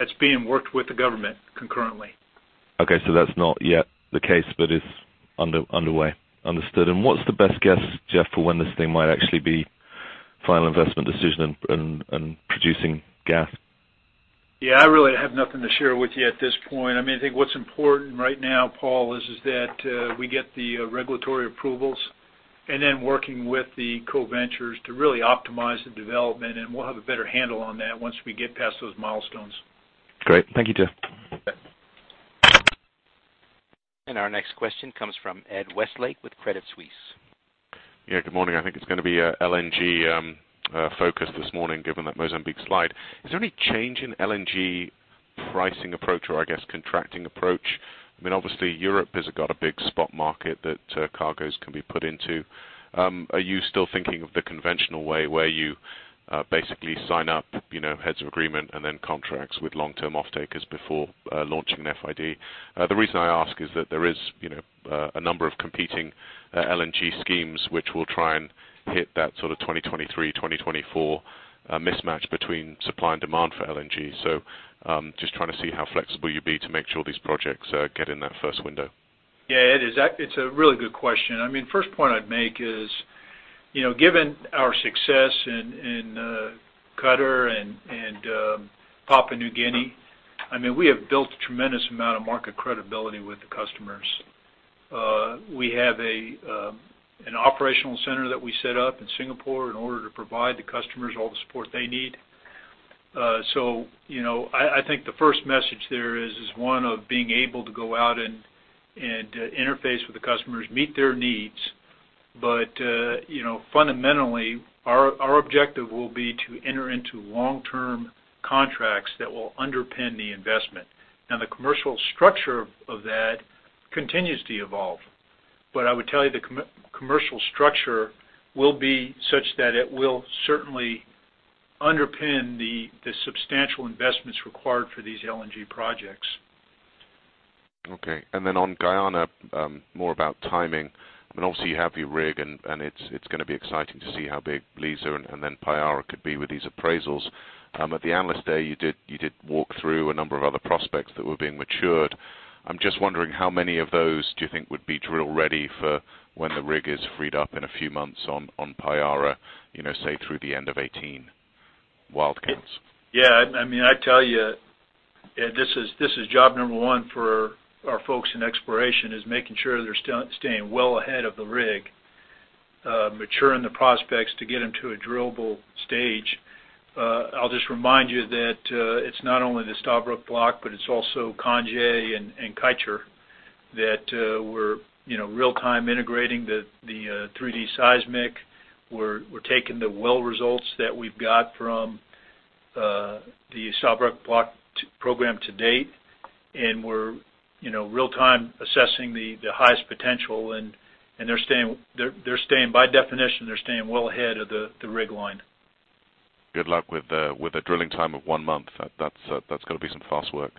It's being worked with the government concurrently. Okay, that's not yet the case, but it's underway. Understood. What's the best guess, Jeff, for when this thing might actually be final investment decision and producing gas? Yeah, I really have nothing to share with you at this point. I think what's important right now, Paul, is that we get the regulatory approvals and then working with the co-venturers to really optimize the development, and we'll have a better handle on that once we get past those milestones. Great. Thank you, Jeff. Okay. Our next question comes from Ed Westlake with Credit Suisse. Yeah, good morning. I think it's going to be a LNG focus this morning given that Mozambique slide. Is there any change in LNG pricing approach, or I guess, contracting approach? Obviously, Europe has got a big spot market that cargos can be put into. Are you still thinking of the conventional way, where you basically sign up heads of agreement and then contracts with long-term offtakers before launching an FID? The reason I ask is that there is a number of competing LNG schemes which will try and hit that sort of 2023, 2024 mismatch between supply and demand for LNG. Just trying to see how flexible you'll be to make sure these projects get in that first window. Yeah, Ed, it's a really good question. First point I'd make is, given our success in Qatar and Papua New Guinea, we have built a tremendous amount of market credibility with the customers. We have an operational center that we set up in Singapore in order to provide the customers all the support they need. Fundamentally, our objective will be to enter into long-term contracts that will underpin the investment. Now, the commercial structure of that continues to evolve. I would tell you the commercial structure will be such that it will certainly underpin the substantial investments required for these LNG projects. Okay. On Guyana, more about timing. Obviously, you have your rig, and it's going to be exciting to see how big Liza and then Payara could be with these appraisals. At the Analyst Day, you did walk through a number of other prospects that were being matured. I'm just wondering how many of those do you think would be drill ready for when the rig is freed up in a few months on Payara, say through the end of 2018. Wildcats. Yeah. I tell you, Ed, this is job number one for our folks in exploration is making sure they're staying well ahead of the rig, maturing the prospects to get them to a drillable stage. I'll just remind you that it's not only the Stabroek Block, but it's also Kaieteur and Canje That we're real time integrating the 3D seismic. We're taking the well results that we've got from the Stabroek Block program to date, and we're real time assessing the highest potential, and by definition, they're staying well ahead of the rig line. Good luck with the drilling time of one month. That's got to be some fast work.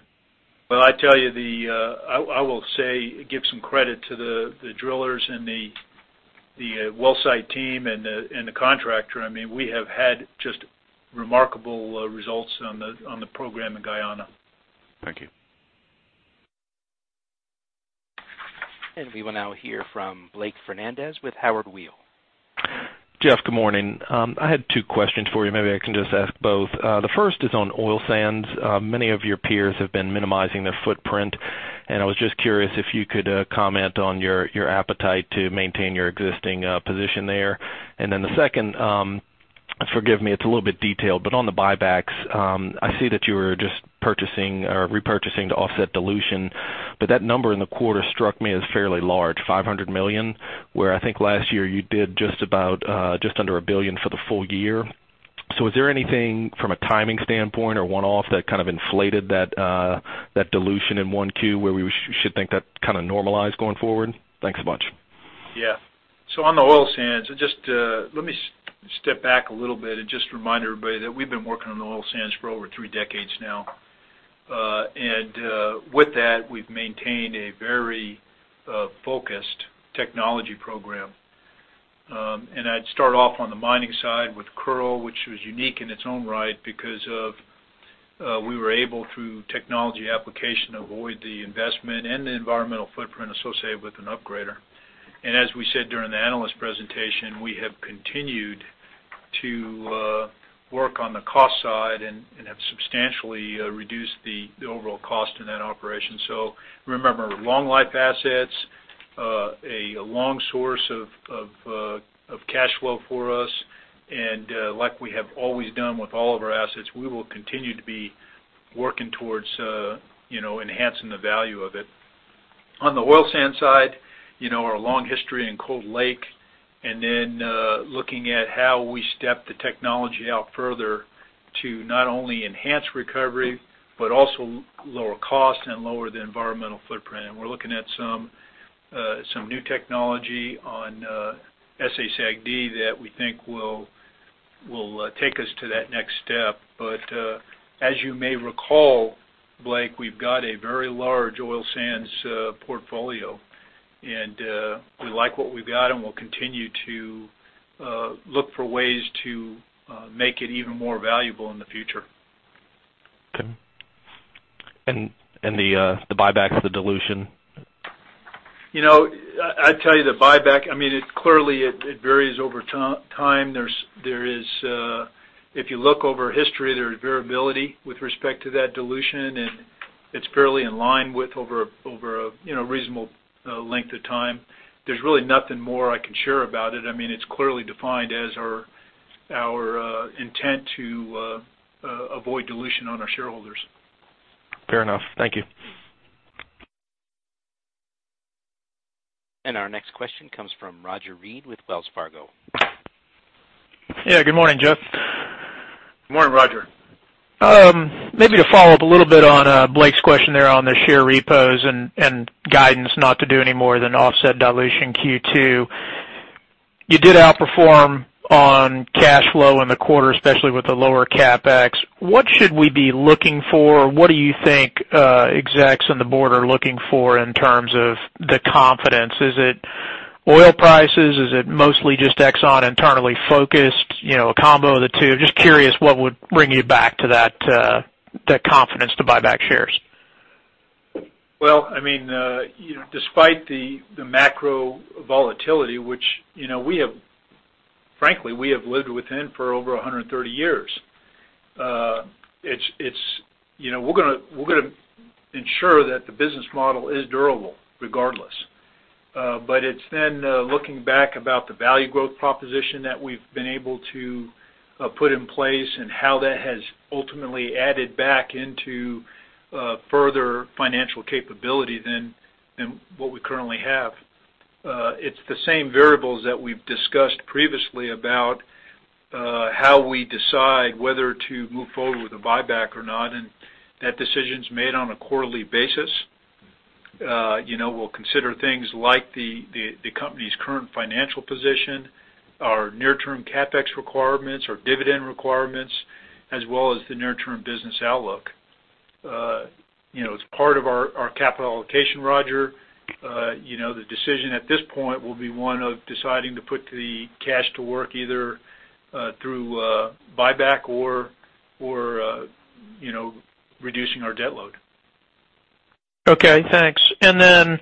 Well, I tell you, I will give some credit to the drillers and the well site team and the contractor. We have had just remarkable results on the program in Guyana. Thank you. We will now hear from Blake Fernandez with Howard Weil. Jeff, good morning. I had two questions for you. Maybe I can just ask both. The first is on oil sands. Many of your peers have been minimizing their footprint, and I was just curious if you could comment on your appetite to maintain your existing position there. Then the second, forgive me, it's a little bit detailed, but on the buybacks, I see that you were just repurchasing to offset dilution, but that number in the quarter struck me as fairly large, $500 million, where I think last year you did just under $1 billion for the full year. Is there anything from a timing standpoint or one-off that kind of inflated that dilution in 1Q where we should think that kind of normalize going forward? Thanks a bunch. On the oil sands, let me step back a little bit and just remind everybody that we've been working on the oil sands for over three decades now. With that, we've maintained a very focused technology program. I'd start off on the mining side with Kearl, which was unique in its own right because of we were able, through technology application, to avoid the investment and the environmental footprint associated with an upgrader. As we said during the analyst presentation, we have continued to work on the cost side and have substantially reduced the overall cost in that operation. Remember, long life assets, a long source of cash flow for us, and like we have always done with all of our assets, we will continue to be working towards enhancing the value of it. On the oil sand side, our long history in Cold Lake, and then looking at how we step the technology out further to not only enhance recovery, but also lower cost and lower the environmental footprint. We're looking at some new technology on SA-SAGD that we think will take us to that next step. As you may recall, Blake, we've got a very large oil sands portfolio, and we like what we've got, and we'll continue to look for ways to make it even more valuable in the future. Okay. The buyback, the dilution? I tell you, the buyback, clearly it varies over time. If you look over history, there's variability with respect to that dilution, and it's fairly in line with over a reasonable length of time. There's really nothing more I can share about it. It's clearly defined as our intent to avoid dilution on our shareholders. Fair enough. Thank you. Our next question comes from Roger Read with Wells Fargo. Yeah, good morning, Jeff. Morning, Roger. To follow up a little bit on Blake's question there on the share repos and guidance not to do any more than offset dilution Q2. You did outperform on cash flow in the quarter, especially with the lower CapEx. What should we be looking for? What do you think execs on the board are looking for in terms of the confidence? Is it oil prices? Is it mostly just Exxon internally focused, a combo of the two? Just curious what would bring you back to that confidence to buy back shares. Well, despite the macro volatility, which frankly we have lived within for over 130 years, we're going to ensure that the business model is durable regardless. It's then looking back about the value growth proposition that we've been able to put in place and how that has ultimately added back into further financial capability than what we currently have. It's the same variables that we've discussed previously about how we decide whether to move forward with a buyback or not, and that decision's made on a quarterly basis. We'll consider things like the company's current financial position, our near term CapEx requirements, our dividend requirements, as well as the near term business outlook. It's part of our capital allocation, Roger. The decision at this point will be one of deciding to put the cash to work either through a buyback or reducing our debt load. Okay, thanks. Then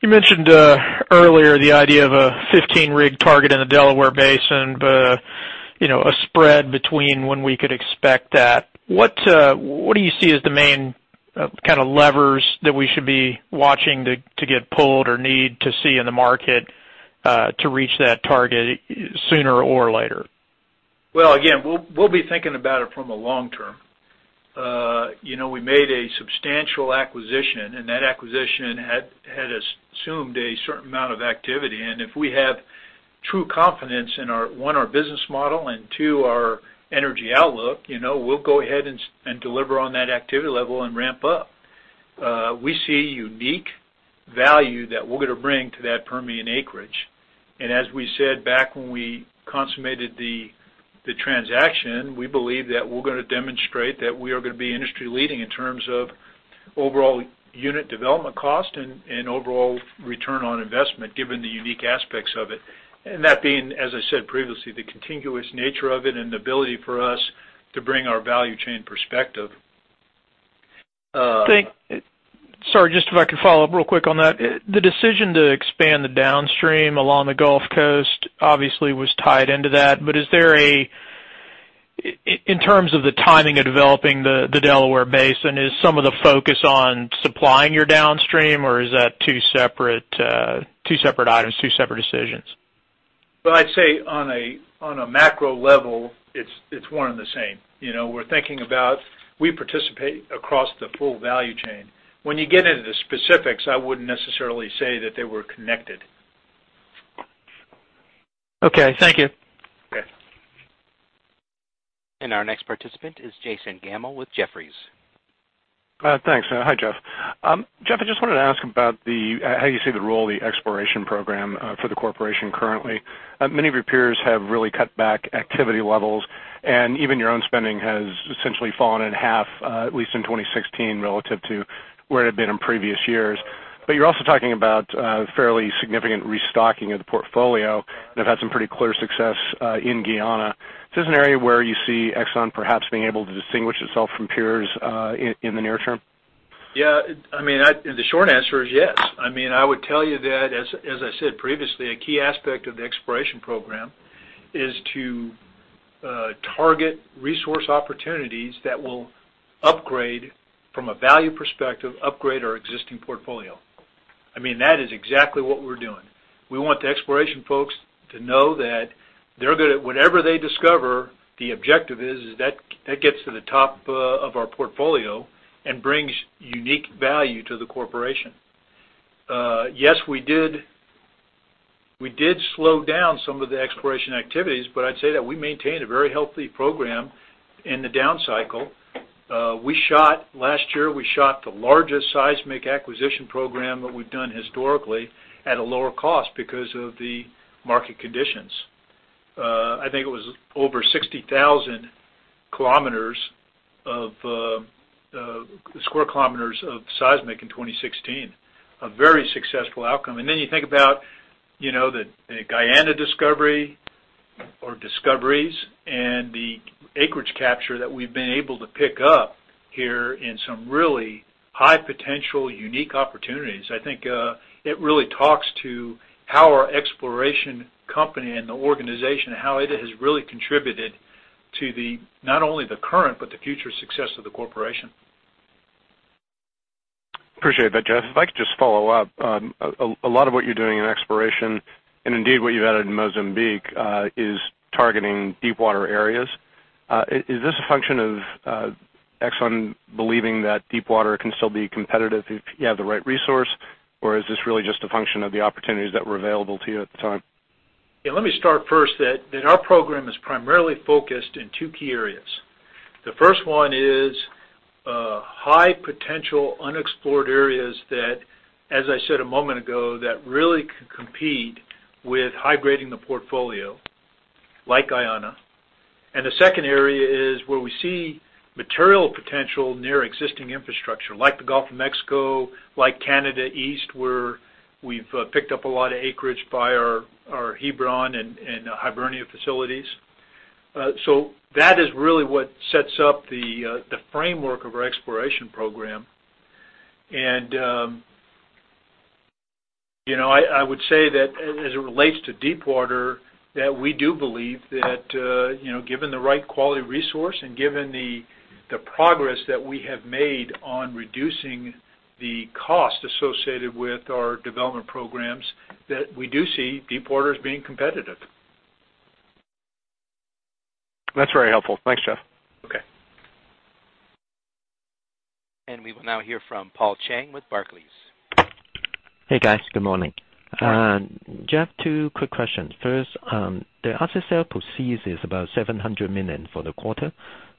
you mentioned earlier the idea of a 15-rig target in the Delaware Basin, a spread between when we could expect that. What do you see as the main levers that we should be watching to get pulled or need to see in the market to reach that target sooner or later? Well, again, we'll be thinking about it from a long term. We made a substantial acquisition, that acquisition had assumed a certain amount of activity. If we have true confidence in, one, our business model, and two, our energy outlook, we'll go ahead and deliver on that activity level and ramp up. We see unique value that we're going to bring to that Permian acreage. As we said back when we consummated the transaction, we believe that we're going to demonstrate that we are going to be industry leading in terms of overall unit development cost and overall return on investment given the unique aspects of it. That being, as I said previously, the contiguous nature of it and the ability for us to bring our value chain perspective. Sorry, just if I could follow up real quick on that. The decision to expand the downstream along the Gulf Coast obviously was tied into that. In terms of the timing of developing the Delaware Basin, is some of the focus on supplying your downstream, or is that two separate items, two separate decisions? Well, I'd say on a macro level, it's one and the same. We're thinking about, we participate across the full value chain. When you get into the specifics, I wouldn't necessarily say that they were connected. Okay. Thank you. Okay. Our next participant is Jason Gammel with Jefferies. Thanks. Hi, Jeff. Jeff, I just wanted to ask about how you see the role of the exploration program for the Corporation currently. Many of your peers have really cut back activity levels, and even your own spending has essentially fallen in half, at least in 2016, relative to where it had been in previous years. You're also talking about fairly significant restocking of the portfolio, and have had some pretty clear success in Guyana. Is this an area where you see Exxon perhaps being able to distinguish itself from peers in the near term? Yeah. The short answer is yes. I would tell you that, as I said previously, a key aspect of the exploration program is to target resource opportunities that will, from a value perspective, upgrade our existing portfolio. That is exactly what we're doing. We want the exploration folks to know that whatever they discover, the objective is that gets to the top of our portfolio and brings unique value to the Corporation. Yes, we did slow down some of the exploration activities, but I'd say that we maintained a very healthy program in the down cycle. Last year, we shot the largest seismic acquisition program that we've done historically at a lower cost because of the market conditions. I think it was over 60,000 square kilometers of seismic in 2016. A very successful outcome. You think about the Guyana discovery or discoveries and the acreage capture that we've been able to pick up here in some really high potential, unique opportunities. I think it really talks to how our exploration company and the organization, how it has really contributed to not only the current but the future success of the Corporation. Appreciate that, Jeff. If I could just follow up. A lot of what you're doing in exploration, and indeed what you've added in Mozambique, is targeting deep water areas. Is this a function of Exxon believing that deep water can still be competitive if you have the right resource, or is this really just a function of the opportunities that were available to you at the time? Let me start first that our program is primarily focused in two key areas. The first one is high potential unexplored areas that, as I said a moment ago, that really could compete with high grading the portfolio, like Guyana. The second area is where we see material potential near existing infrastructure, like the Gulf of Mexico, like Canada East, where we've picked up a lot of acreage by our Hebron and Hibernia facilities. That is really what sets up the framework of our exploration program. I would say that as it relates to deep water, that we do believe that given the right quality resource and given the progress that we have made on reducing the cost associated with our development programs, that we do see deep waters being competitive. That's very helpful. Thanks, Jeff. Okay. We will now hear from Paul Cheng with Barclays. Hey, guys. Good morning. Hi. Jeff, two quick questions. First, the asset sale proceeds is about $700 million for the quarter.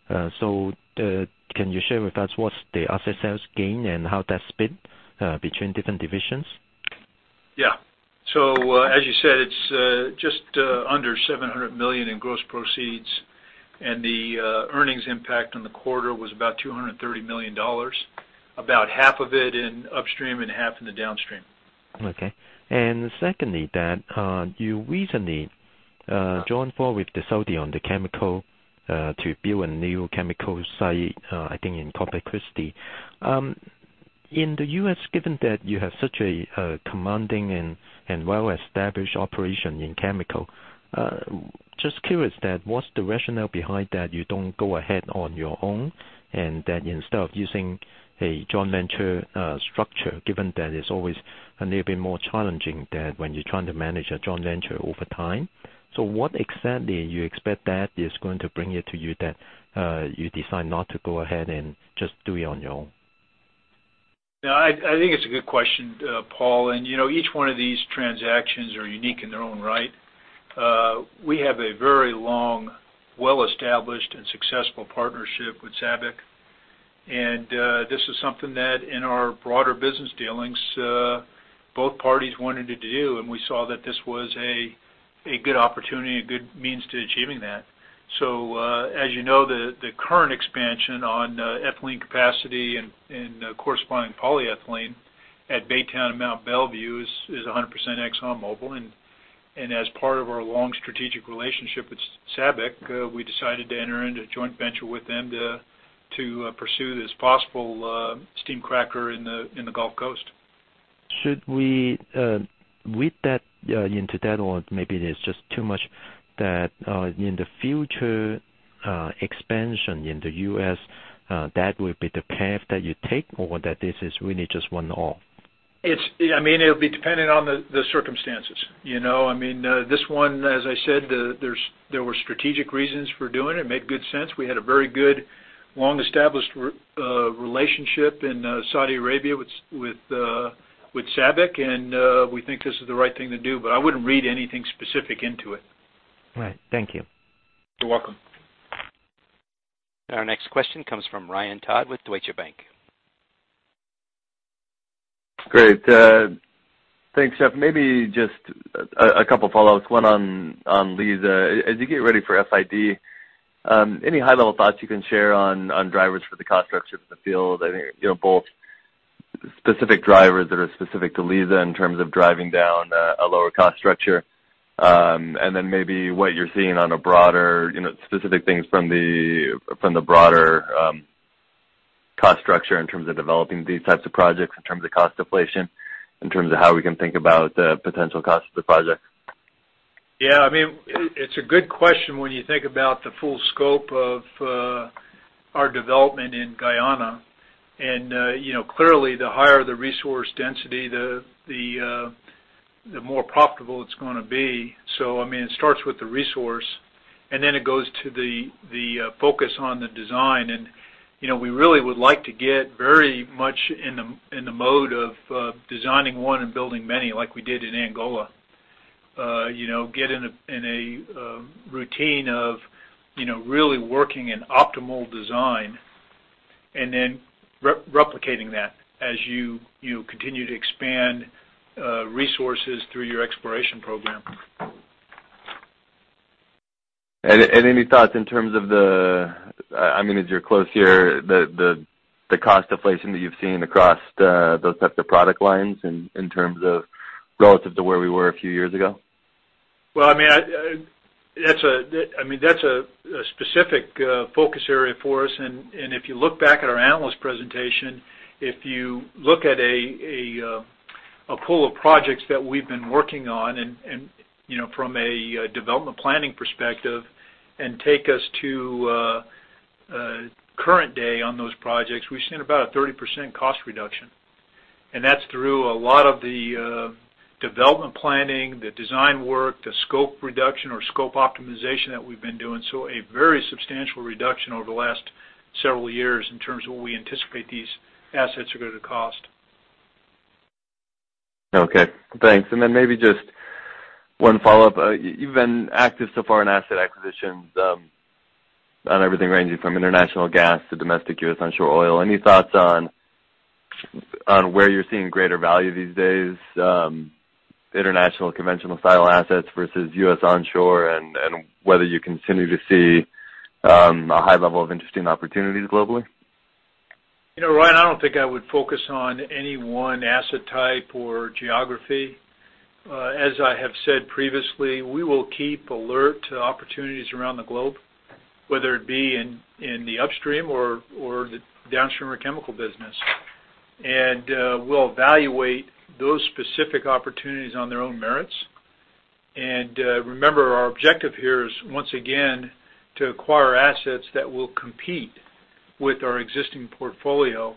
Can you share with us what's the asset sales gain and how that's split between different divisions? As you said, it's just under $700 million in gross proceeds, and the earnings impact on the quarter was about $230 million. About half of it in upstream and half in the downstream. Okay. Secondly, that you recently joined force with SABIC on the chemical to build a new chemical site, I think in Corpus Christi. In the U.S., given that you have such a commanding and well-established operation in chemical, just curious that what's the rationale behind that you don't go ahead on your own, and that instead of using a joint venture structure, given that it's always a little bit more challenging than when you're trying to manage a joint venture over time. What exactly you expect that is going to bring it to you that you decide not to go ahead and just do it on your own? No, I think it's a good question, Paul. Each one of these transactions are unique in their own right. We have a very long, well-established, and successful partnership with SABIC, and this is something that in our broader business dealings, both parties wanted to do, and we saw that this was a good opportunity, a good means to achieving that. As you know, the current expansion on ethylene capacity and corresponding polyethylene at Baytown and Mont Belvieu is 100% ExxonMobil. As part of our long strategic relationship with SABIC, we decided to enter into a joint venture with them to pursue this possible steam cracker in the Gulf Coast. Should we read that into that, or maybe it is just too much that in the future expansion in the U.S., that will be the path that you take, or that this is really just one-off? It'll be dependent on the circumstances. This one, as I said, there were strategic reasons for doing it. It made good sense. We had a very good, long-established relationship in Saudi Arabia with SABIC. We think this is the right thing to do, but I wouldn't read anything specific into it. Right. Thank you. You're welcome. Our next question comes from Ryan Todd with Deutsche Bank. Great. Thanks, Jeff. Maybe just a couple of follow-ups. One on Liza. As you get ready for FID, any high-level thoughts you can share on drivers for the cost structure for the field? I think, both specific drivers that are specific to Liza in terms of driving down a lower cost structure, then maybe what you're seeing on a broader, specific things from the broader cost structure in terms of developing these types of projects, in terms of cost deflation, in terms of how we can think about the potential cost of the project. Yeah. It's a good question when you think about the full scope of our development in Guyana. Clearly, the higher the resource density, the more profitable it's going to be. It starts with the resource, then it goes to the focus on the design. We really would like to get very much in the mode of designing one and building many, like we did in Angola. Get in a routine of really working in optimal design and then replicating that as you continue to expand resources through your exploration program. Any thoughts in terms of as you're close here, the cost deflation that you've seen across those types of product lines in terms of relative to where we were a few years ago? Well, that's a specific focus area for us. If you look back at our analyst presentation, if you look at a pool of projects that we've been working on and from a development planning perspective and take us to current day on those projects, we've seen about a 30% cost reduction. That's through a lot of the development planning, the design work, the scope reduction or scope optimization that we've been doing. A very substantial reduction over the last several years in terms of what we anticipate these assets are going to cost. Okay, thanks. Then maybe just one follow-up. You've been active so far in asset acquisitions on everything ranging from international gas to domestic U.S. onshore oil. Any thoughts on where you're seeing greater value these days? International conventional style assets versus U.S. onshore, and whether you continue to see a high level of interesting opportunities globally? Ryan, I don't think I would focus on any one asset type or geography. As I have said previously, we will keep alert to opportunities around the globe, whether it be in the upstream or the downstream or chemical business. We'll evaluate those specific opportunities on their own merits. Remember, our objective here is, once again, to acquire assets that will compete with our existing portfolio.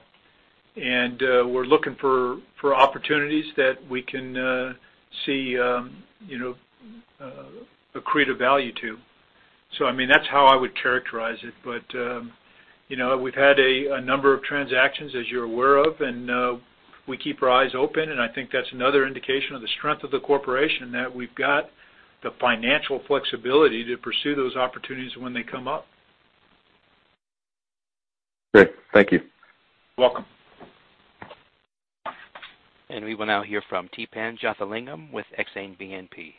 We're looking for opportunities that we can see accretive value to. That's how I would characterize it. We've had a number of transactions, as you're aware of, and we keep our eyes open, and I think that's another indication of the strength of the corporation, that we've got the financial flexibility to pursue those opportunities when they come up. Great. Thank you. You're welcome. We will now hear from Theepan Jothilingam with Exane BNP.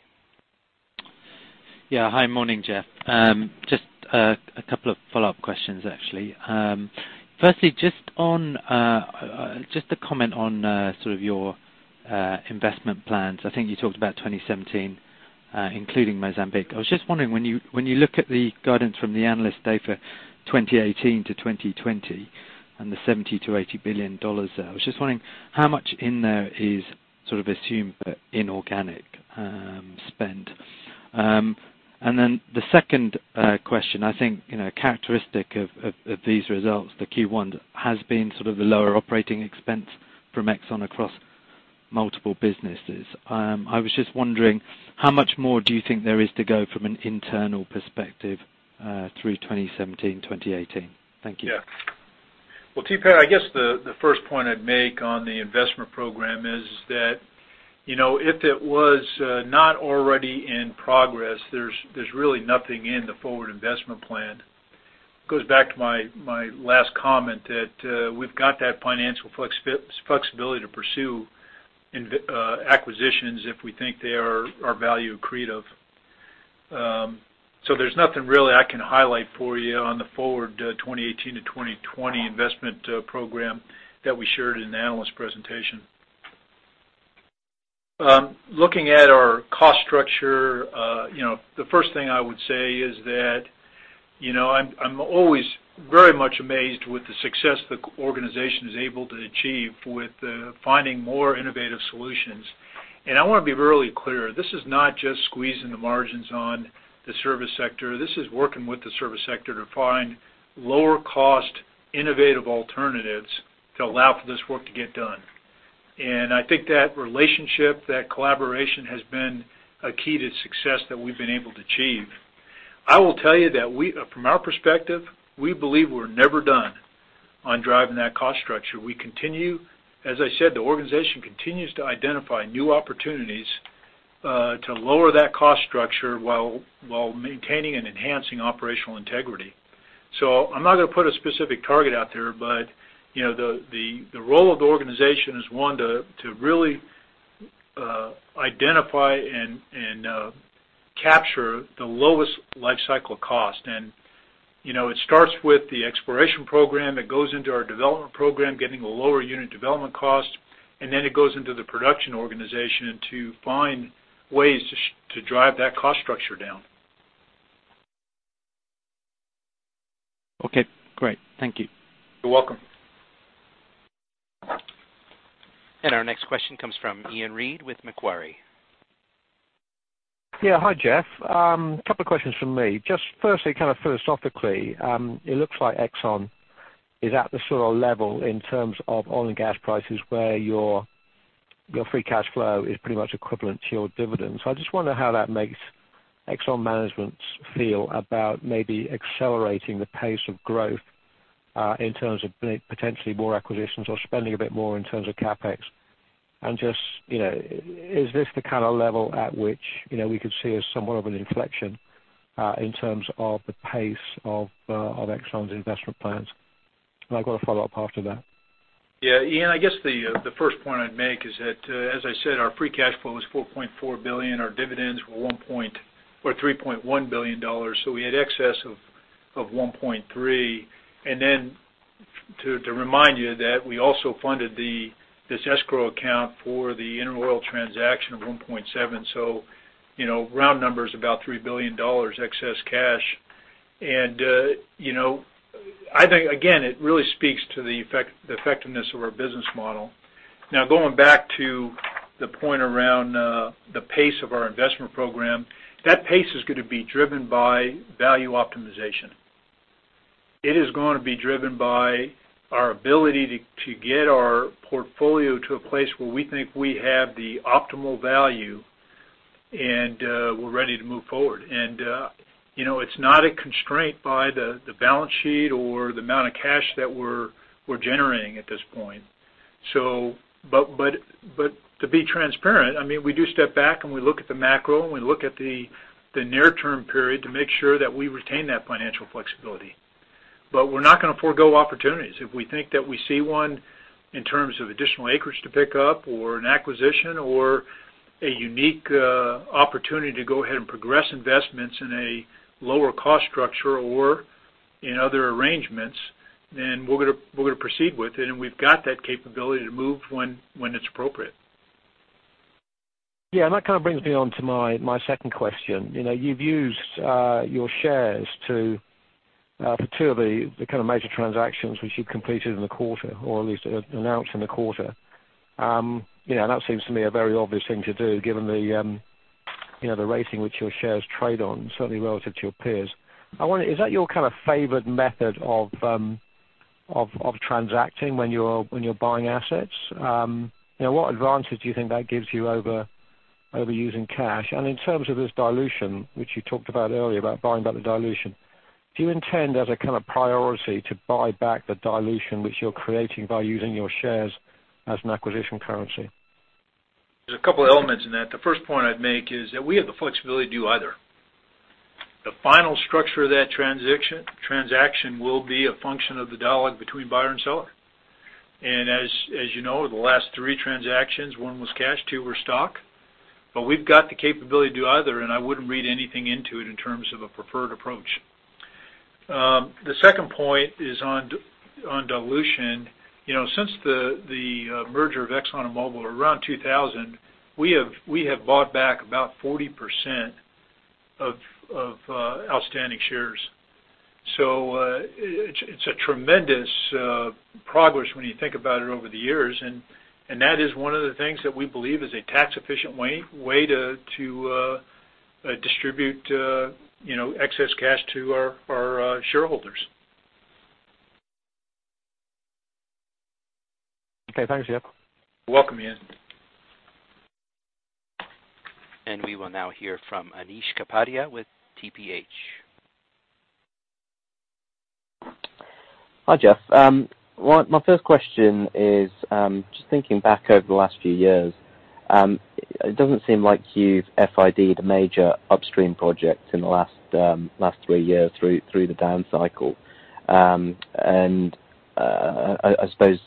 Yeah. Hi. Morning, Jeff Woodbury. Just a couple of follow-up questions, actually. Firstly, just a comment on sort of your investment plans. I think you talked about 2017 including Mozambique. I was just wondering, when you look at the guidance from the analyst day for 2018 to 2020 and the $70 billion-$80 billion there, I was just wondering how much in there is sort of assumed for inorganic spend. The second question, I think characteristic of these results, the Q1, has been sort of the lower operating expense from Exxon across multiple businesses. I was just wondering how much more do you think there is to go from an internal perspective through 2017, 2018? Thank you. Yeah. Well, InterOil, I guess the first point I'd make on the investment program is that if it was not already in progress, there's really nothing in the forward investment plan. Goes back to my last comment that we've got that financial flexibility to pursue acquisitions if we think they are value accretive. There's nothing really I can highlight for you on the forward 2018 to 2020 investment program that we shared in the analyst presentation. Looking at our cost structure, the first thing I would say is that I'm always very much amazed with the success the organization is able to achieve with finding more innovative solutions. I want to be really clear. This is not just squeezing the margins on the service sector. This is working with the service sector to find lower cost, innovative alternatives to allow for this work to get done. I think that relationship, that collaboration has been a key to success that we've been able to achieve. I will tell you that from our perspective, we believe we're never done on driving that cost structure. As I said, the organization continues to identify new opportunities to lower that cost structure while maintaining and enhancing operational integrity. I'm not going to put a specific target out there, but the role of the organization is one, to really identify and capture the lowest life cycle cost. It starts with the exploration program. It goes into our development program, getting a lower unit development cost, and then it goes into the production organization to find ways to drive that cost structure down. Okay, great. Thank you. You're welcome. Our next question comes from Iain Reid with Macquarie. Hi, Jeff. Couple of questions from me. Just firstly, philosophically, it looks like Exxon is at the sort of level in terms of oil and gas prices where your free cash flow is pretty much equivalent to your dividends. I just wonder how that makes Exxon management feel about maybe accelerating the pace of growth in terms of potentially more acquisitions or spending a bit more in terms of CapEx. Just, is this the kind of level at which we could see as somewhat of an inflection in terms of the pace of Exxon's investment plans? I've got a follow-up after that. Iain, I guess the first point I'd make is that, as I said, our free cash flow was $4.4 billion. Our dividends were $3.1 billion. We had excess of $1.3 billion. To remind you that we also funded this escrow account for the InterOil transaction of $1.7 billion. Round numbers, about $3 billion excess cash. I think, again, it really speaks to the effectiveness of our business model. Now, going back to the point around the pace of our investment program, that pace is going to be driven by value optimization. It is going to be driven by our ability to get our portfolio to a place where we think we have the optimal value and we're ready to move forward. It's not a constraint by the balance sheet or the amount of cash that we're generating at this point. To be transparent, we do step back and we look at the macro and we look at the near-term period to make sure that we retain that financial flexibility. We're not going to forego opportunities. If we think that we see one in terms of additional acreage to pick up or an acquisition or a unique opportunity to go ahead and progress investments in a lower cost structure or in other arrangements, then we're going to proceed with it, and we've got that capability to move when it's appropriate. That brings me on to my second question. You've used your shares for two of the major transactions which you completed in the quarter, or at least announced in the quarter. That seems to me a very obvious thing to do given the rating which your shares trade on, certainly relative to your peers. Is that your favored method of transacting when you're buying assets? What advantage do you think that gives you over using cash? And in terms of this dilution, which you talked about earlier about buying back the dilution, do you intend as a priority to buy back the dilution which you're creating by using your shares as an acquisition currency? There's a couple elements in that. The first point I'd make is that we have the flexibility to do either. The final structure of that transaction will be a function of the dialogue between buyer and seller. As you know, the last three transactions, one was cash, two were stock. We've got the capability to do either, and I wouldn't read anything into it in terms of a preferred approach. The second point is on dilution. Since the merger of Exxon and Mobil around 2000, we have bought back about 40% of outstanding shares. It's a tremendous progress when you think about it over the years, and that is one of the things that we believe is a tax efficient way to distribute excess cash to our shareholders Okay, thanks, Jeff. You're welcome, Iain. We will now hear from Anish Kapadia with TPH. Hi, Jeff. My first question is, just thinking back over the last few years, it doesn't seem like you've FID-ed a major upstream project in the last three years through the down cycle. I suppose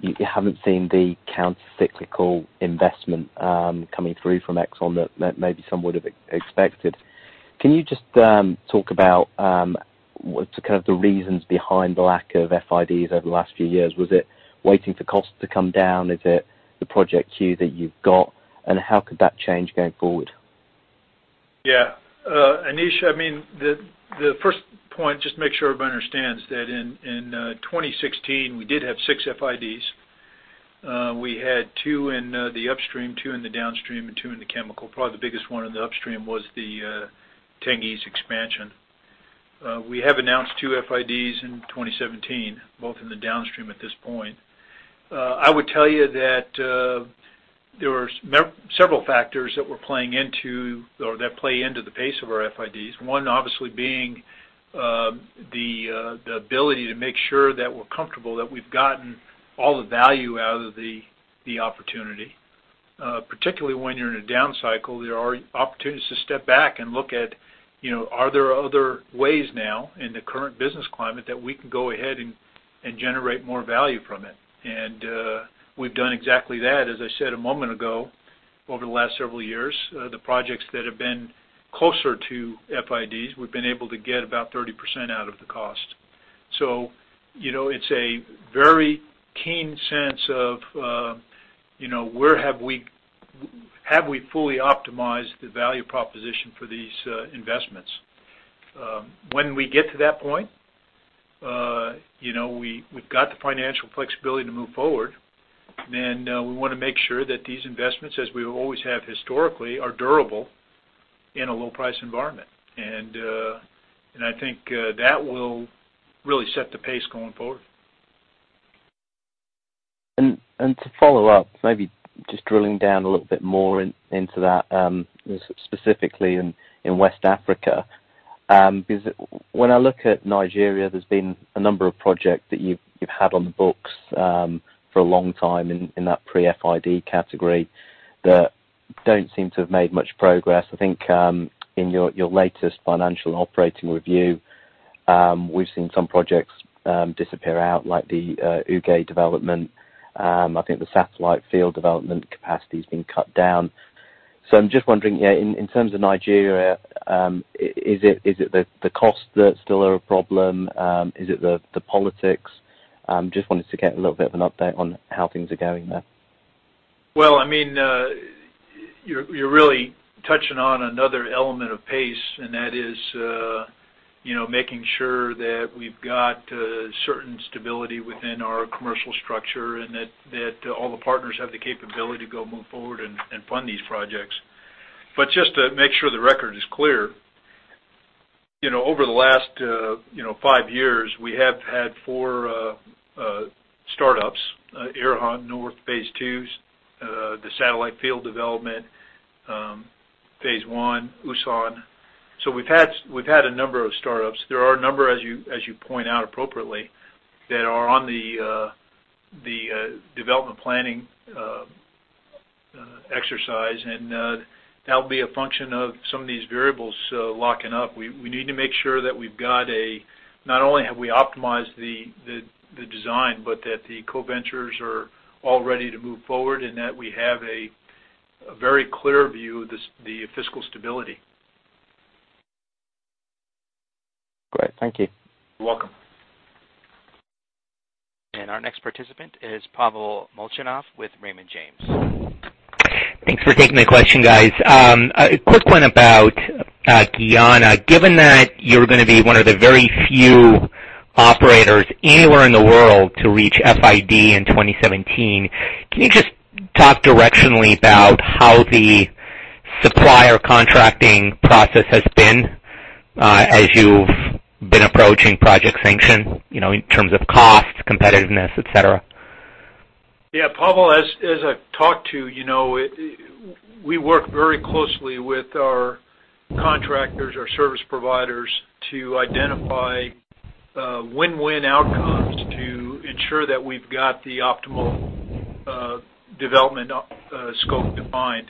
you haven't seen the counter-cyclical investment coming through from Exxon that maybe some would have expected. Can you just talk about the reasons behind the lack of FIDs over the last few years? Was it waiting for costs to come down? Is it the project queue that you've got? How could that change going forward? Yeah. Anish, the first point, just make sure everybody understands that in 2016, we did have six FIDs. We had two in the upstream, two in the downstream, and two in the chemical. Probably the biggest one in the upstream was the Tengiz expansion. We have announced two FIDs in 2017, both in the downstream at this point. I would tell you that there were several factors that play into the pace of our FIDs. One obviously being the ability to make sure that we're comfortable that we've gotten all the value out of the opportunity. Particularly when you're in a down cycle, there are opportunities to step back and look at, are there other ways now in the current business climate that we can go ahead and generate more value from it? We've done exactly that. As I said a moment ago, over the last several years, the projects that have been closer to FIDs, we've been able to get about 30% out of the cost. It's a very keen sense of have we fully optimized the value proposition for these investments? When we get to that point, we've got the financial flexibility to move forward, and we want to make sure that these investments, as we always have historically, are durable in a low price environment. I think that will really set the pace going forward. To follow up, maybe just drilling down a little bit more into that, specifically in West Africa, because when I look at Nigeria, there's been a number of projects that you've had on the books for a long time in that pre-FID category that don't seem to have made much progress. I think in your latest financial operating review, we've seen some projects disappear out, like the Uge development. I think the satellite field development capacity has been cut down. I'm just wondering in terms of Nigeria, is it the costs that still are a problem? Is it the politics? Just wanted to get a little bit of an update on how things are going there. Well, you're really touching on another element of pace, and that is making sure that we've got certain stability within our commercial structure and that all the partners have the capability to go move forward and fund these projects. Just to make sure the record is clear, over the last five years, we have had four startups, Erha, North Phase Twos, the satellite field development, Phase I, Usan. We've had a number of startups. There are a number, as you point out appropriately, that are on the development planning exercise, and that'll be a function of some of these variables locking up. We need to make sure that not only have we optimized the design, but that the co-ventures are all ready to move forward and that we have a very clear view of the fiscal stability. Great. Thank you. You're welcome. Our next participant is Pavel Molchanov with Raymond James. Thanks for taking the question, guys. A quick one about Guyana. Given that you're going to be one of the very few operators anywhere in the world to reach FID in 2017, can you just talk directionally about how the supplier contracting process has been as you've been approaching project sanction in terms of cost, competitiveness, et cetera? Yeah, Pavel, as I've talked to, we work very closely with our contractors, our service providers to identify win-win outcomes to ensure that we've got the optimal development scope defined,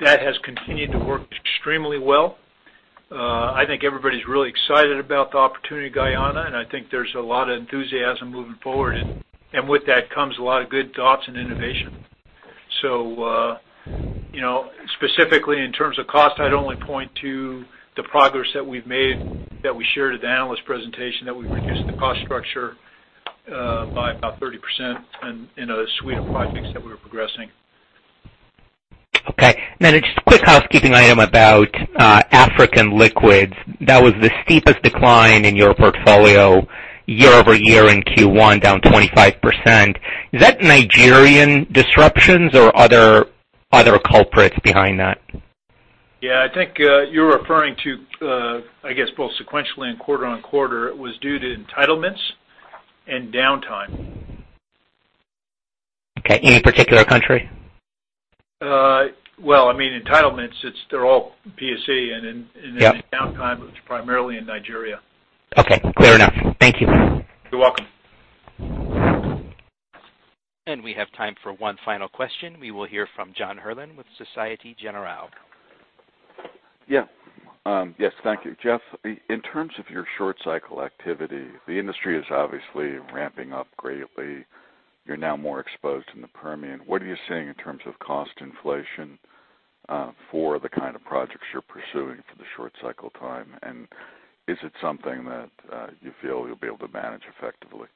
that has continued to work extremely well. I think everybody's really excited about the opportunity at Guyana, there's a lot of enthusiasm moving forward. With that comes a lot of good thoughts and innovation. Specifically in terms of cost, I'd only point to the progress that we've made that we shared at the analyst presentation, that we've reduced the cost structure by about 30% in a suite of projects that we're progressing. Okay. Just a quick housekeeping item about African liquids. That was the steepest decline in your portfolio year-over-year in Q1, down 25%. Is that Nigerian disruptions or other culprits behind that? I think you're referring to, I guess, both sequentially and quarter-on-quarter, it was due to entitlements and downtime. Okay. Any particular country? Entitlements, they're all PSC. Yep the downtime, which is primarily in Nigeria. Okay, clear enough. Thank you. You're welcome. We have time for one final question. We will hear from Jon Rigby with Societe Generale. Yes, thank you. Jeff, in terms of your short cycle activity, the industry is obviously ramping up greatly. You're now more exposed in the Permian. What are you seeing in terms of cost inflation for the kind of projects you're pursuing for the short cycle time, and is it something that you feel you'll be able to manage effectively?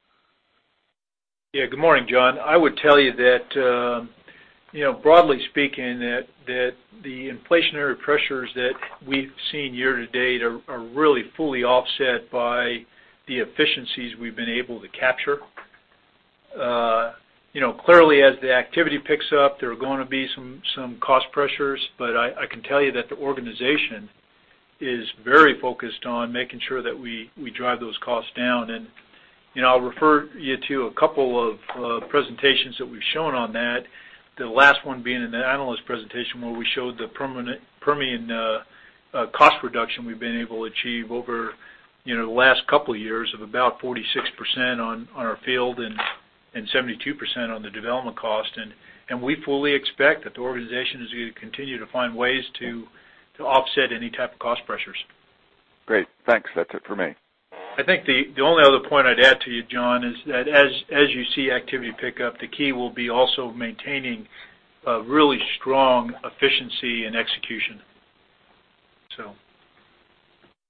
Good morning, Jon. I would tell you that, broadly speaking, that the inflationary pressures that we've seen year-to-date are really fully offset by the efficiencies we've been able to capture. Clearly, as the activity picks up, there are going to be some cost pressures, I can tell you that the organization is very focused on making sure that we drive those costs down. I'll refer you to a couple of presentations that we've shown on that. The last one being in the analyst presentation, where we showed the Permian cost reduction we've been able to achieve over the last couple of years of about 46% on our field and 72% on the development cost. We fully expect that the organization is going to continue to find ways to offset any type of cost pressures. Great. Thanks. That's it for me. I think the only other point I'd add to you, Jon, is that as you see activity pick up, the key will be also maintaining a really strong efficiency and execution.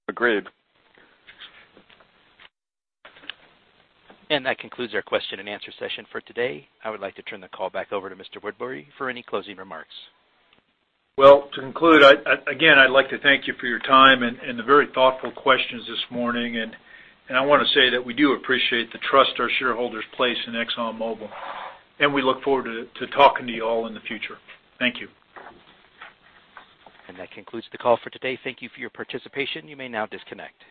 Agreed. That concludes our question and answer session for today. I would like to turn the call back over to Mr. Woodbury for any closing remarks. Well, to conclude, again, I'd like to thank you for your time and the very thoughtful questions this morning. I want to say that we do appreciate the trust our shareholders place in ExxonMobil, and we look forward to talking to you all in the future. Thank you. That concludes the call for today. Thank you for your participation. You may now disconnect.